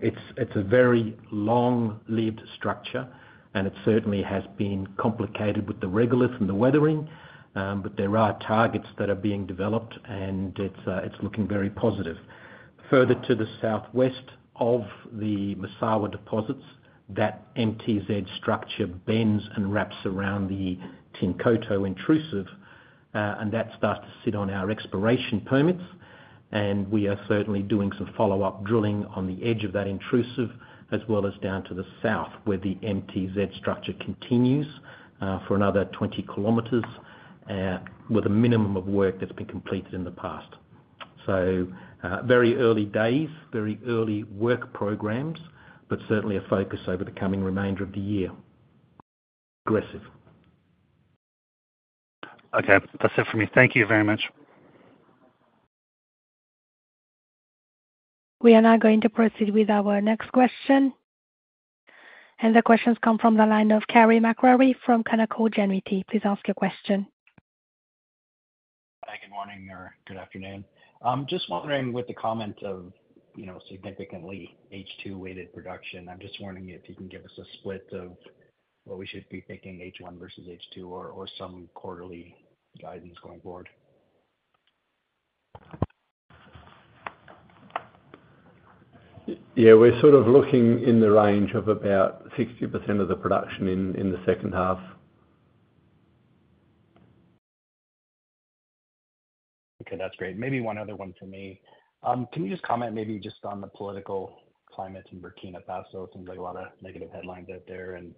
It's a very long-lived structure, and it certainly has been complicated with the regolith and the weathering, but there are targets that are being developed, and it's looking very positive. Further to the southwest of the Massawa deposits, that MTZ structure bends and wraps around the Tinkoto Intrusive, and that starts to sit on our exploration permits, and we are certainly doing some follow-up drilling on the edge of that intrusive, as well as down to the south, where the MTZ structure continues, for another 20 km, with a minimum of work that's been completed in the past. So, very early days, very early work programs, but certainly a focus over the coming remainder of the year.... aggressive. Okay, that's it for me. Thank you very much. We are now going to proceed with our next question. The question comes from the line of Carey MacRury from Canaccord Genuity. Please ask your question. Hi, good morning or good afternoon. I'm just wondering, with the comment of, you know, significantly H2 weighted production, I'm just wondering if you can give us a split of what we should be thinking, H1 versus H2 or, or some quarterly guidance going forward. Yeah, we're sort of looking in the range of about 60% of the production in, in the second half. Okay, that's great. Maybe one other one for me. Can you just comment maybe just on the political climate in Burkina Faso? It seems like a lot of negative headlines out there, and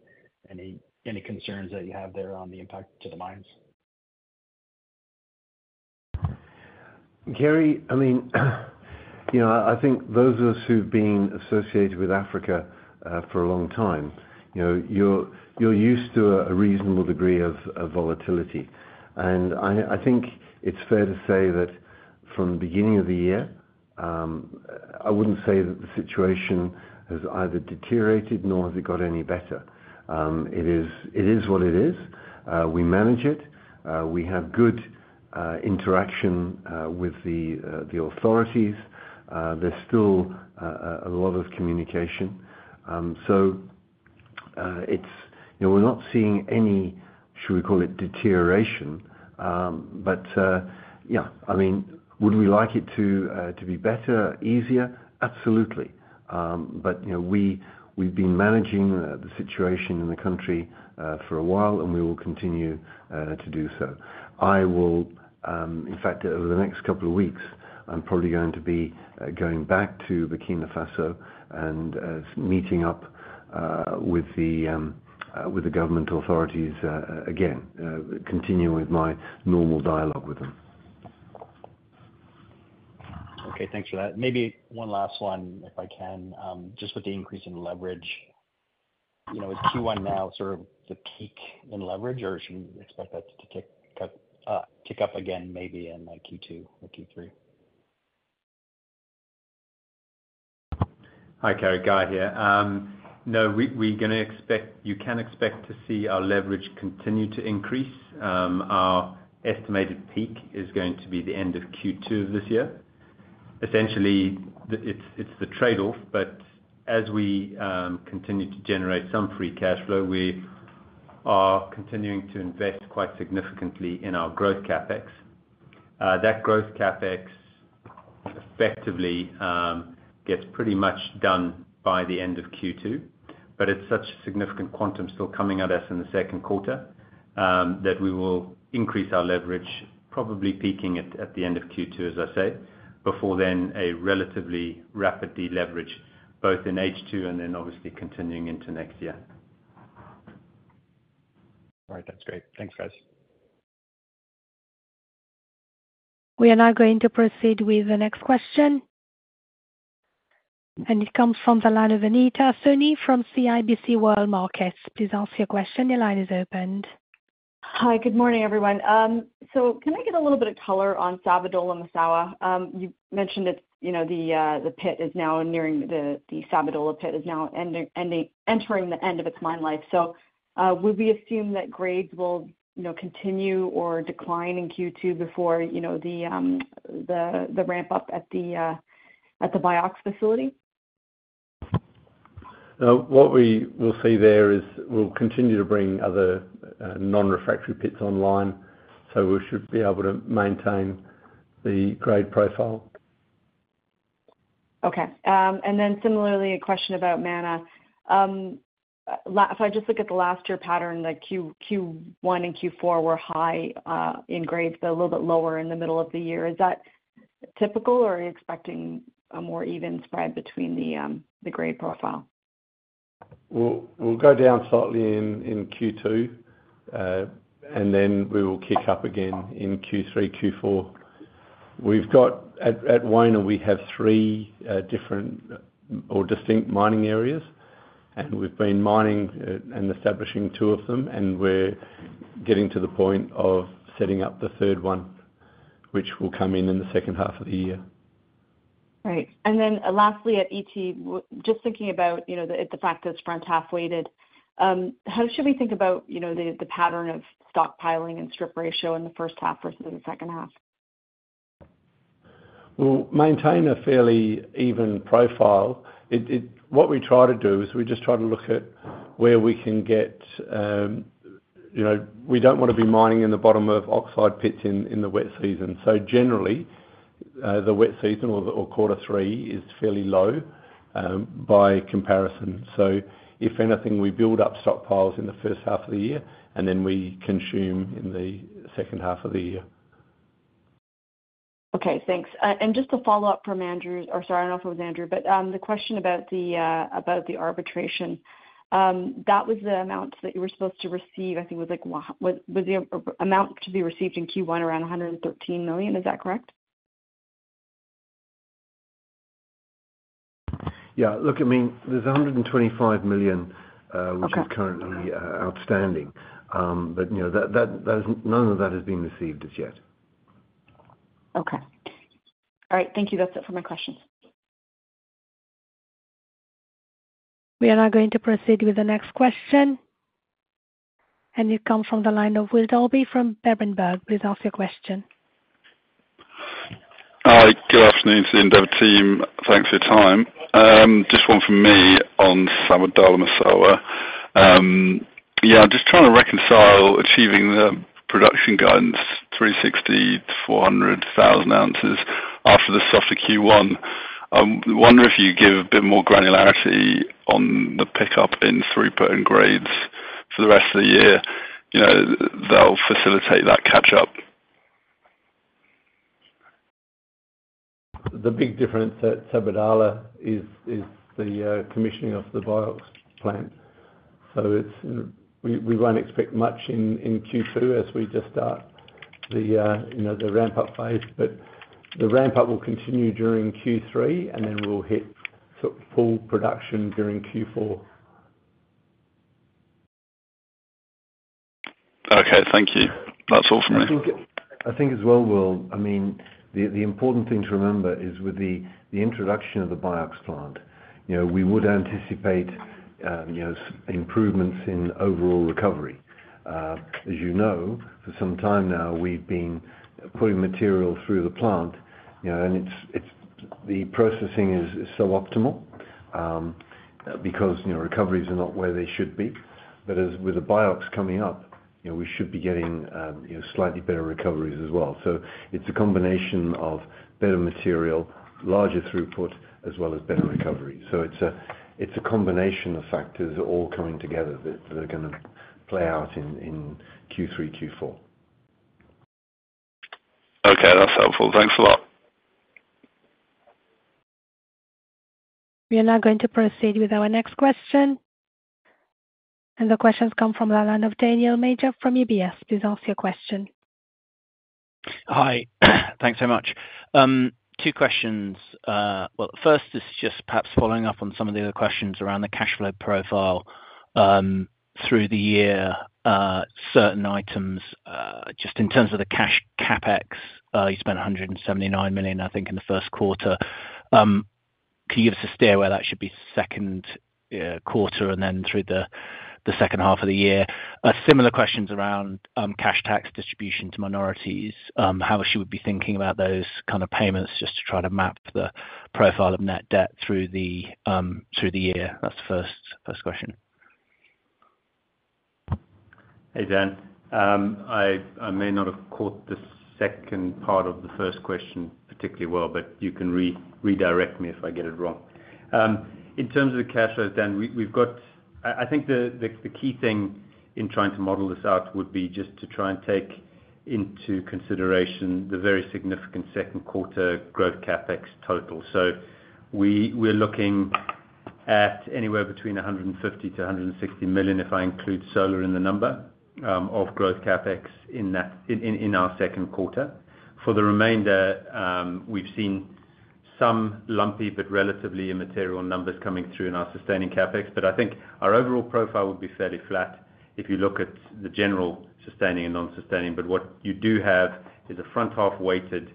any concerns that you have there on the impact to the mines? Gary, I mean, you know, I think those of us who've been associated with Africa for a long time, you know, you're used to a reasonable degree of volatility. I think it's fair to say that from the beginning of the year, I wouldn't say that the situation has either deteriorated, nor has it got any better. It is what it is. We manage it. We have good interaction with the authorities. There's still a lot of communication. So, you know, we're not seeing any, should we call it deterioration? But, yeah, I mean, would we like it to be better, easier? Absolutely. But, you know, we've been managing the situation in the country for a while, and we will continue to do so. I will, in fact, over the next couple of weeks, I'm probably going to be going back to Burkina Faso and meeting up with the government authorities again, continuing with my normal dialogue with them. Okay, thanks for that. Maybe one last one, if I can. Just with the increase in leverage, you know, is Q1 now sort of the peak in leverage, or should we expect that to tick up, tick up again, maybe in, like, Q2 or Q3? Hi, Carey, Guy here. No, we're gonna expect—you can expect to see our leverage continue to increase. Our estimated peak is going to be the end of Q2 this year. Essentially, it's the trade-off, but as we continue to generate some free cash flow, we are continuing to invest quite significantly in our growth CapEx. That growth CapEx effectively gets pretty much done by the end of Q2, but it's such a significant quantum still coming at us in the second quarter that we will increase our leverage, probably peaking at the end of Q2, as I said, before then a relatively rapid deleverage, both in H2 and then obviously continuing into next year. All right. That's great. Thanks, guys. We are now going to proceed with the next question. It comes from the line of Anita Soni from CIBC World Markets. Please ask your question. Your line is open. Hi, good morning, everyone. So can I get a little bit of color on Sabodala-Massawa? You've mentioned it's, you know, the Sabodala pit is now entering the end of its mine life. So, would we assume that grades will, you know, continue or decline in Q2 before, you know, the ramp up at the BIOX facility? What we will see there is, we'll continue to bring other non-refractory pits online, so we should be able to maintain the grade profile. Okay. And then similarly, a question about Mana. If I just look at the last year pattern, like Q1 and Q4 were high in grades, but a little bit lower in the middle of the year. Is that typical, or are you expecting a more even spread between the grade profile? We'll go down slightly in Q2, and then we will kick up again in Q3, Q4. We've got at Wona we have three different or distinct mining areas, and we've been mining and establishing two of them, and we're getting to the point of setting up the third one, which will come in in the second half of the year. Right. And then lastly, at Ity, just thinking about, you know, the fact that it's front half-weighted, how should we think about, you know, the pattern of stockpiling and strip ratio in the first half versus in the second half? We'll maintain a fairly even profile. What we try to do is we just try to look at where we can get, you know, we don't want to be mining in the bottom of oxide pits in the wet season. So generally, the wet season or quarter three is fairly low by comparison. So if anything, we build up stockpiles in the first half of the year, and then we consume in the second half of the year. Okay, thanks. And just to follow up from Andrew, or sorry, I don't know if it was Andrew, but the question about the arbitration, that was the amount that you were supposed to receive, I think, was like the amount to be received in Q1 around $113 million? Is that correct? ... Yeah, look, I mean, there's $125 million, Okay. -which is currently outstanding. But, you know, that none of that has been received as yet. Okay. All right, thank you. That's it for my questions. We are now going to proceed with the next question, and it comes from the line of Will Dalby from Berenberg. Please ask your question. Hi, good afternoon to the Endeavour team. Thanks for your time. Just one from me on Sabodala-Massawa. Yeah, just trying to reconcile achieving the production guidance, 360,000-400,000 ounces after the softer Q1. I wonder if you'd give a bit more granularity on the pickup in throughput and grades for the rest of the year, you know, that'll facilitate that catch up? The big difference at Sabodala is the commissioning of the BIOX plant. So it's, we won't expect much in Q2 as we just start the you know the ramp-up phase. But the ramp-up will continue during Q3, and then we'll hit full production during Q4. Okay, thank you. That's all from me. I think as well, Will, I mean, the important thing to remember is with the introduction of the BIOX plant, you know, we would anticipate, you know, improvements in overall recovery. As you know, for some time now, we've been putting material through the plant, you know, and it's the processing is suboptimal, because, you know, recoveries are not where they should be. But as with the BIOX coming up, you know, we should be getting, you know, slightly better recoveries as well. So it's a combination of better material, larger throughput, as well as better recovery. So it's a combination of factors all coming together that are gonna play out in Q3, Q4. Okay, that's helpful. Thanks a lot. We are now going to proceed with our next question, and the question's come from the line of Daniel Major from UBS. Please ask your question. Hi. Thanks so much. Two questions. Well, first is just perhaps following up on some of the other questions around the cash flow profile through the year, certain items. Just in terms of the cash CapEx, you spent $179 million, I think, in the first quarter. Can you give us a steer where that should be second quarter and then through the second half of the year? A similar question around cash tax distribution to minorities, how she would be thinking about those kind of payments, just to try to map the profile of net debt through the year. That's the first question. Hey, Dan. I may not have caught the second part of the first question particularly well, but you can redirect me if I get it wrong. In terms of the cash flow, Dan, we've got. I think the key thing in trying to model this out would be just to try and take into consideration the very significant second quarter growth CapEx total. So we're looking at anywhere between $150 million-$160 million, if I include solar in the number, of growth CapEx in that, in our second quarter. For the remainder, we've seen some lumpy but relatively immaterial numbers coming through in our sustaining CapEx. But I think our overall profile would be fairly flat if you look at the general sustaining and non-sustaining. But what you do have is a front half-weighted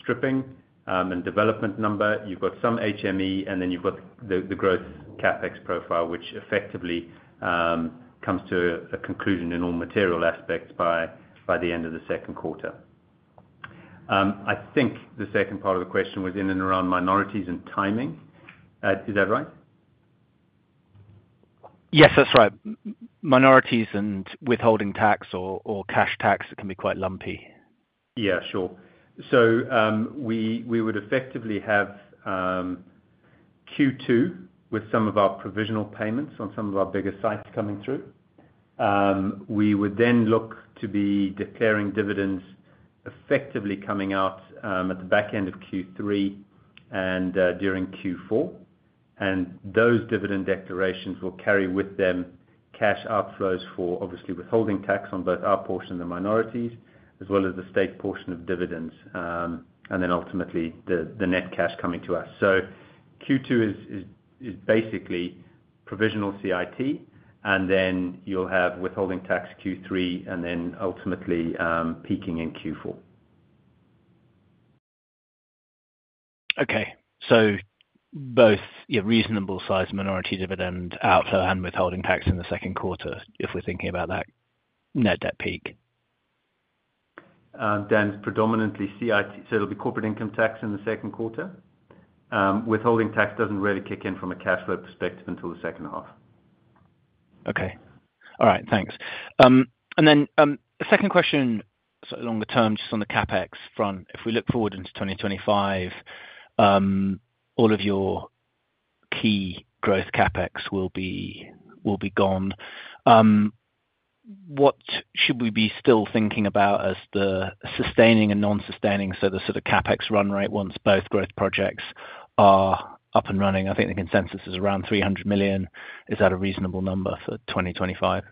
stripping, and development number. You've got some HME, and then you've got the growth CapEx profile, which effectively comes to a conclusion in all material aspects by the end of the second quarter. I think the second part of the question was in and around minorities and timing. Is that right? Yes, that's right. Minorities and withholding tax or cash tax can be quite lumpy. Yeah, sure. So, we would effectively have Q2 with some of our provisional payments on some of our bigger sites coming through. We would then look to be declaring dividends effectively coming out at the back end of Q3 and during Q4. And those dividend declarations will carry with them cash outflows for obviously withholding tax on both our portion and the minorities, as well as the state portion of dividends, and then ultimately the net cash coming to us. So Q2 is basically provisional CIT, and then you'll have withholding tax Q3, and then ultimately peaking in Q4. Okay. So both, yeah, reasonable size minority dividend outflow and withholding tax in the second quarter, if we're thinking about that net debt peak? Dan, predominantly CIT, so it'll be corporate income tax in the second quarter. Withholding tax doesn't really kick in from a cash flow perspective until the second half. Okay. All right, thanks. And then, the second question, so along the terms, just on the CapEx front, if we look forward into 2025, all of your key growth CapEx will be gone. What should we be still thinking about as the sustaining and non-sustaining, so the sort of CapEx run rate once both growth projects are up and running? I think the consensus is around $300 million. Is that a reasonable number for 2025?...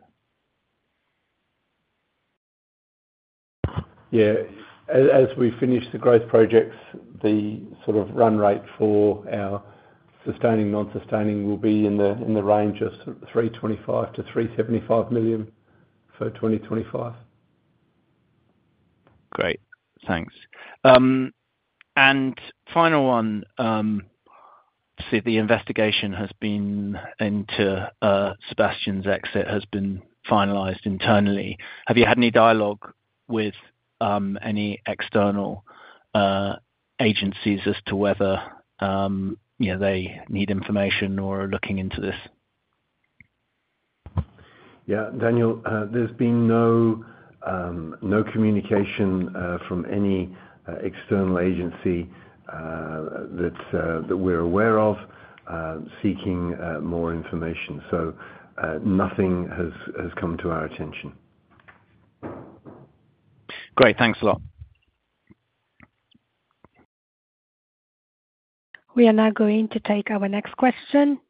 Yeah, as we finish the growth projects, the sort of run rate for our sustaining, non-sustaining will be in the range of $325 million-$375 million for 2025. Great. Thanks. And final one, so the investigation has been into, Sébastien's exit has been finalized internally. Have you had any dialogue with, any external, agencies as to whether, you know, they need information or are looking into this? Yeah, Daniel, there's been no communication from any external agency that we're aware of seeking more information. So, nothing has come to our attention. Great. Thanks a lot. We are now going to take our next question,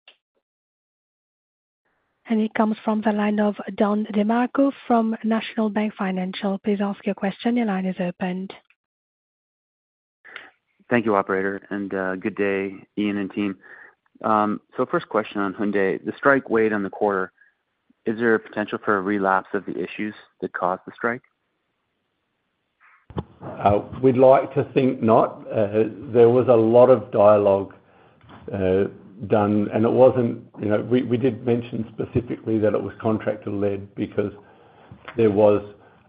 and it comes from the line of Don DeMarco from National Bank Financial. Please ask your question. Your line is opened. Thank you, operator, and good day, Ian and team. First question on Houndé. The strike weighed on the quarter. Is there a potential for a relapse of the issues that caused the strike? We'd like to think not. There was a lot of dialogue done, and it wasn't, you know, we did mention specifically that it was contractor-led because there was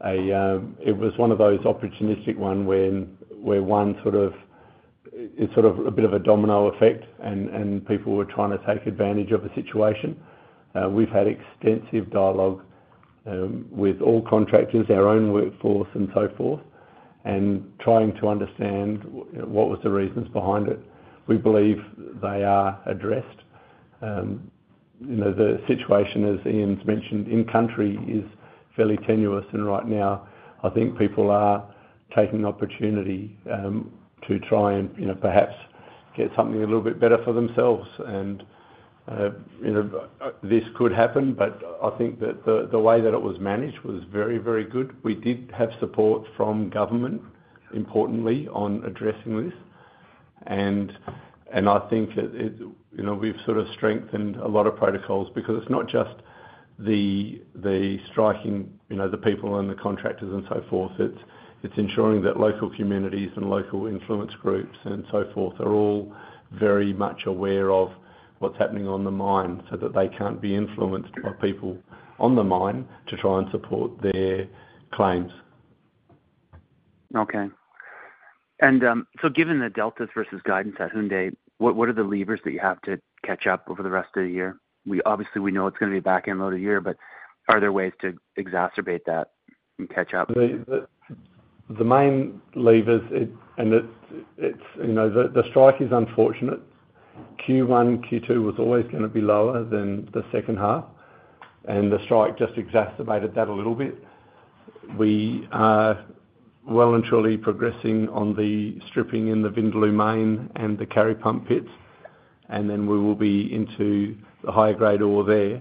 a it was one of those opportunistic ones. It's sort of a bit of a domino effect, and people were trying to take advantage of the situation. We've had extensive dialogue with all contractors, our own workforce and so forth, and trying to understand what was the reasons behind it. We believe they are addressed. You know, the situation, as Ian's mentioned, in country is fairly tenuous, and right now, I think people are taking the opportunity to try and, you know, perhaps get something a little bit better for themselves. You know, this could happen, but I think that the way that it was managed was very, very good. We did have support from government, importantly, on addressing this. I think that it, you know, we've sort of strengthened a lot of protocols because it's not just the striking, you know, the people and the contractors and so forth, it's ensuring that local communities and local influence groups and so forth are all very much aware of what's happening on the mine, so that they can't be influenced by people on the mine to try and support their claims. Okay. And, so given the deltas versus guidance at Houndé, what, what are the levers that you have to catch up over the rest of the year? We, obviously, we know it's gonna be a back-end loaded year, but are there ways to exacerbate that and catch up? The main levers. It... And it, it's, you know, the strike is unfortunate. Q1, Q2 was always gonna be lower than the second half, and the strike just exacerbated that a little bit. We are well and truly progressing on the stripping in the Vindaloo Main and the Kari Pump pits, and then we will be into the higher grade ore there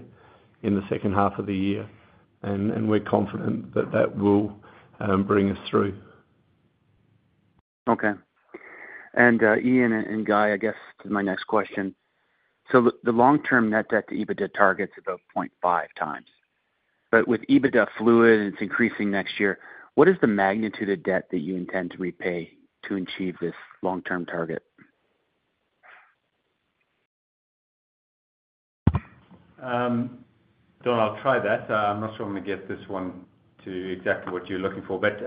in the second half of the year. And we're confident that that will bring us through. Okay. And, Ian and Guy, I guess to my next question: So the long-term net debt to EBITDA target is about 0.5 times, but with EBITDA fluid and it's increasing next year, what is the magnitude of debt that you intend to repay to achieve this long-term target? Don, I'll try that. I'm not sure I'm gonna get this one to exactly what you're looking for, but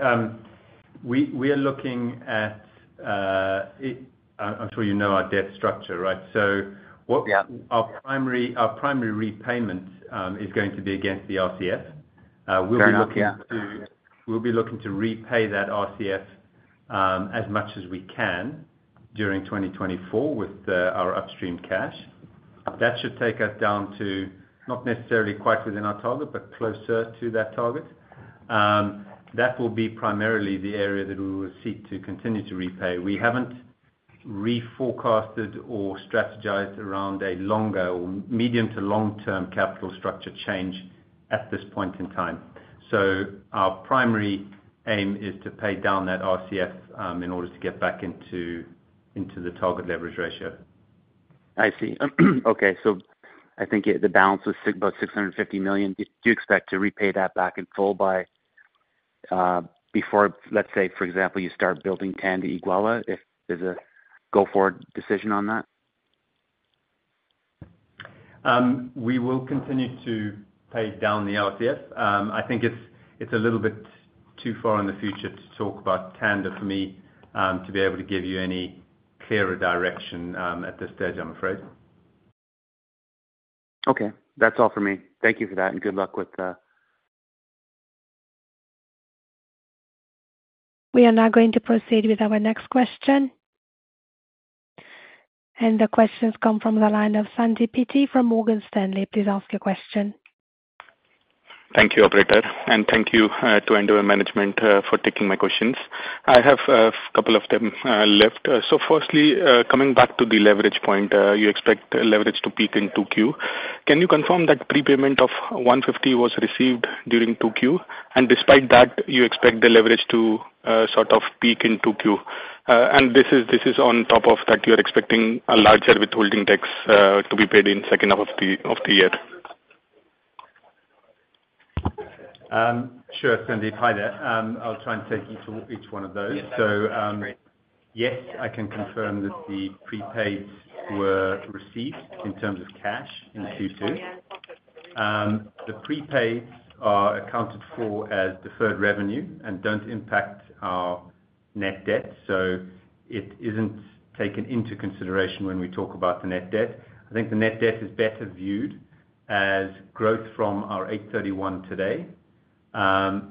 we are looking at it. I'm sure you know our debt structure, right? Yeah. What our primary, our primary repayment is going to be against the RCF. Fair enough, yeah. We'll be looking to repay that RCF as much as we can during 2024 with our upstream cash. That should take us down to not necessarily quite within our target, but closer to that target. That will be primarily the area that we will seek to continue to repay. We haven't reforecasted or strategized around a longer or medium- to long-term capital structure change at this point in time. So our primary aim is to pay down that RCF in order to get back into the target leverage ratio. I see. Okay, so I think it, the balance was about $650 million. Do you expect to repay that back in full by, before, let's say, for example, you start building Tanda-Iguela, if there's a go forward decision on that? We will continue to pay down the RCF. I think it's a little bit too far in the future to talk about Tanda for me to be able to give you any clearer direction at this stage, I'm afraid. Okay. That's all for me. Thank you for that, and good luck with... We are now going to proceed with our next question. The question's come from the line of Sandeep Peety from Morgan Stanley. Please ask your question. Thank you, operator, and thank you to Endeavour management for taking my questions. I have a couple of them left. So firstly, coming back to the leverage point, you expect leverage to peak in 2Q. Can you confirm that prepayment of $150 million was received during 2Q, and despite that, you expect the leverage to sort of peak in 2Q? And this is on top of that, you're expecting a larger withholding tax to be paid in second half of the year. Sure, Sandeep. Hi there. I'll try and take you to each one of those. So, yes, I can confirm that the prepaids were received in terms of cash in 2Q. The prepaids are accounted for as deferred revenue and don't impact our net debt, so it isn't taken into consideration when we talk about the net debt. I think the net debt is better viewed as growth from our $831 today.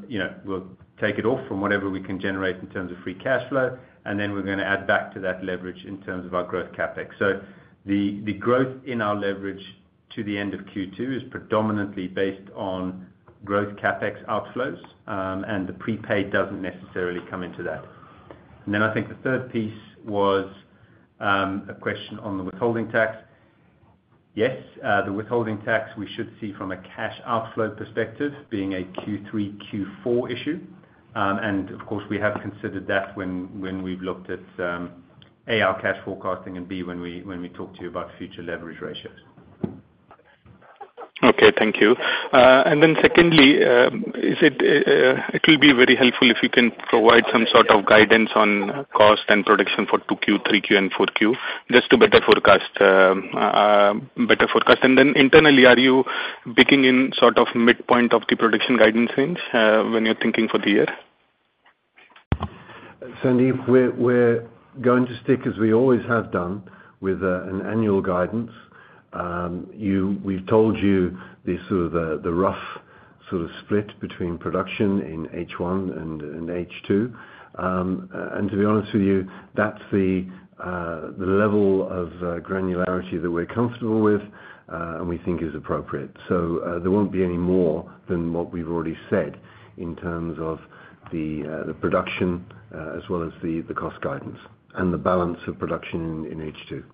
You know, we'll take it off from whatever we can generate in terms of free cash flow, and then we're gonna add back to that leverage in terms of our growth CapEx. So the growth in our leverage to the end of Q2 is predominantly based on growth CapEx outflows, and the prepaid doesn't necessarily come into that. And then I think the third piece was, a question on the withholding tax. Yes, the withholding tax we should see from a cash outflow perspective, being a Q3, Q4 issue. And of course, we have considered that when we've looked at, A, our cash forecasting, and B, when we talk to you about future leverage ratios. Okay, thank you. And then secondly, it will be very helpful if you can provide some sort of guidance on cost and production for 2Q, 3Q, and 4Q, just to better forecast. And then internally, are you picking in sort of midpoint of the production guidance range, when you're thinking for the year? Sandeep, we're going to stick, as we always have done, with an annual guidance. You've told you the rough sort of split between production in H1 and in H2. And to be honest with you, that's the level of granularity that we're comfortable with, and we think is appropriate. So, there won't be any more than what we've already said in terms of the production, as well as the cost guidance and the balance of production in H2.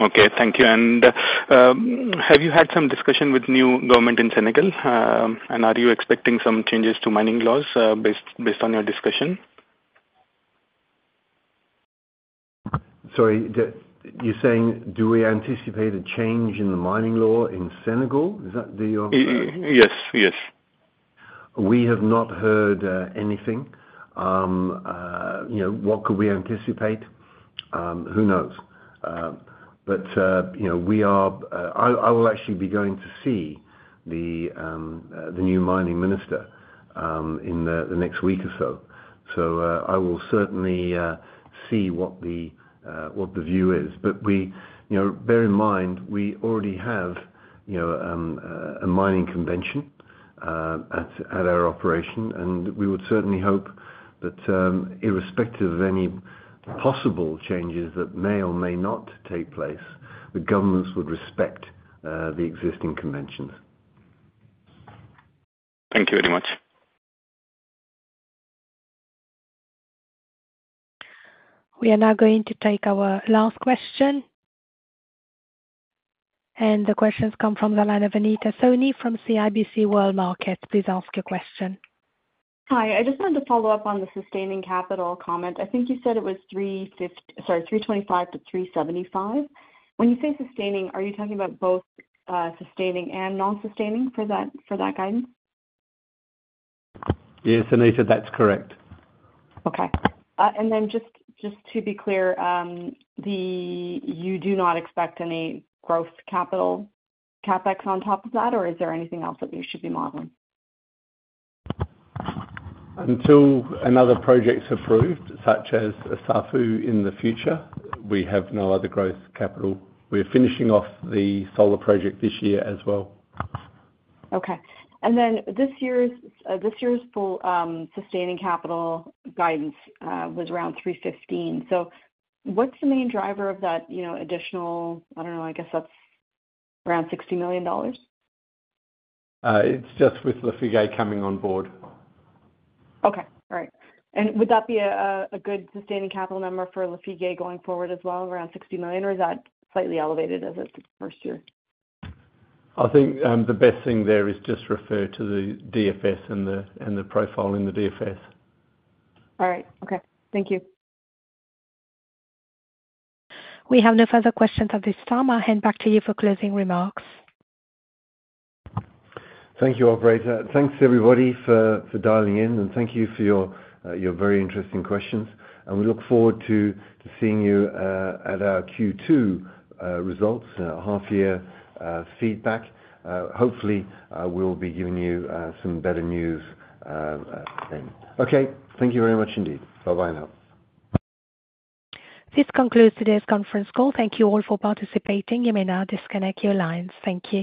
Okay, thank you. And, have you had some discussion with new government in Senegal? And are you expecting some changes to mining laws, based on your discussion? Sorry, you're saying, do we anticipate a change in the mining law in Senegal? Is that the- Yes, yes. We have not heard anything. You know, what could we anticipate? Who knows? But you know, we are, I'll, I will actually be going to see the new mining minister in the next week or so. So, I will certainly see what the view is. But we... You know, bear in mind, we already have, you know, a mining convention at our operation, and we would certainly hope that, irrespective of any possible changes that may or may not take place, the governments would respect the existing conventions. Thank you very much. We are now going to take our last question. The question's come from the line of Anita Soni from CIBC World Markets. Please ask your question. Hi. I just wanted to follow up on the sustaining capital comment. I think you said it was $325-$375. When you say sustaining, are you talking about both sustaining and non-sustaining for that guidance? Yes, Anita, that's correct. Okay. And then just, just to be clear, you do not expect any growth capital CapEx on top of that, or is there anything else that we should be modeling? Until another project's approved, such as Assafou in the future, we have no other growth capital. We're finishing off the solar project this year as well. Okay. And then this year's full sustaining capital guidance was around $315 million. So what's the main driver of that, you know, additional, I don't know, I guess that's around $60 million? It's just with Lafigué coming on Board. Okay, all right. And would that be a good sustaining capital number for Lafigué going forward as well, around $60 million, or is that slightly elevated as it's the first year? I think, the best thing there is just refer to the DFS and the profile in the DFS. All right. Okay, thank you. We have no further questions at this time. I'll hand back to you for closing remarks. Thank you, operator. Thanks, everybody, for dialing in, and thank you for your very interesting questions. We look forward to seeing you at our Q2 results half year feedback. Hopefully, we'll be giving you some better news then. Okay, thank you very much indeed. Bye-bye now. This concludes today's conference call. Thank you all for participating. You may now disconnect your lines. Thank you.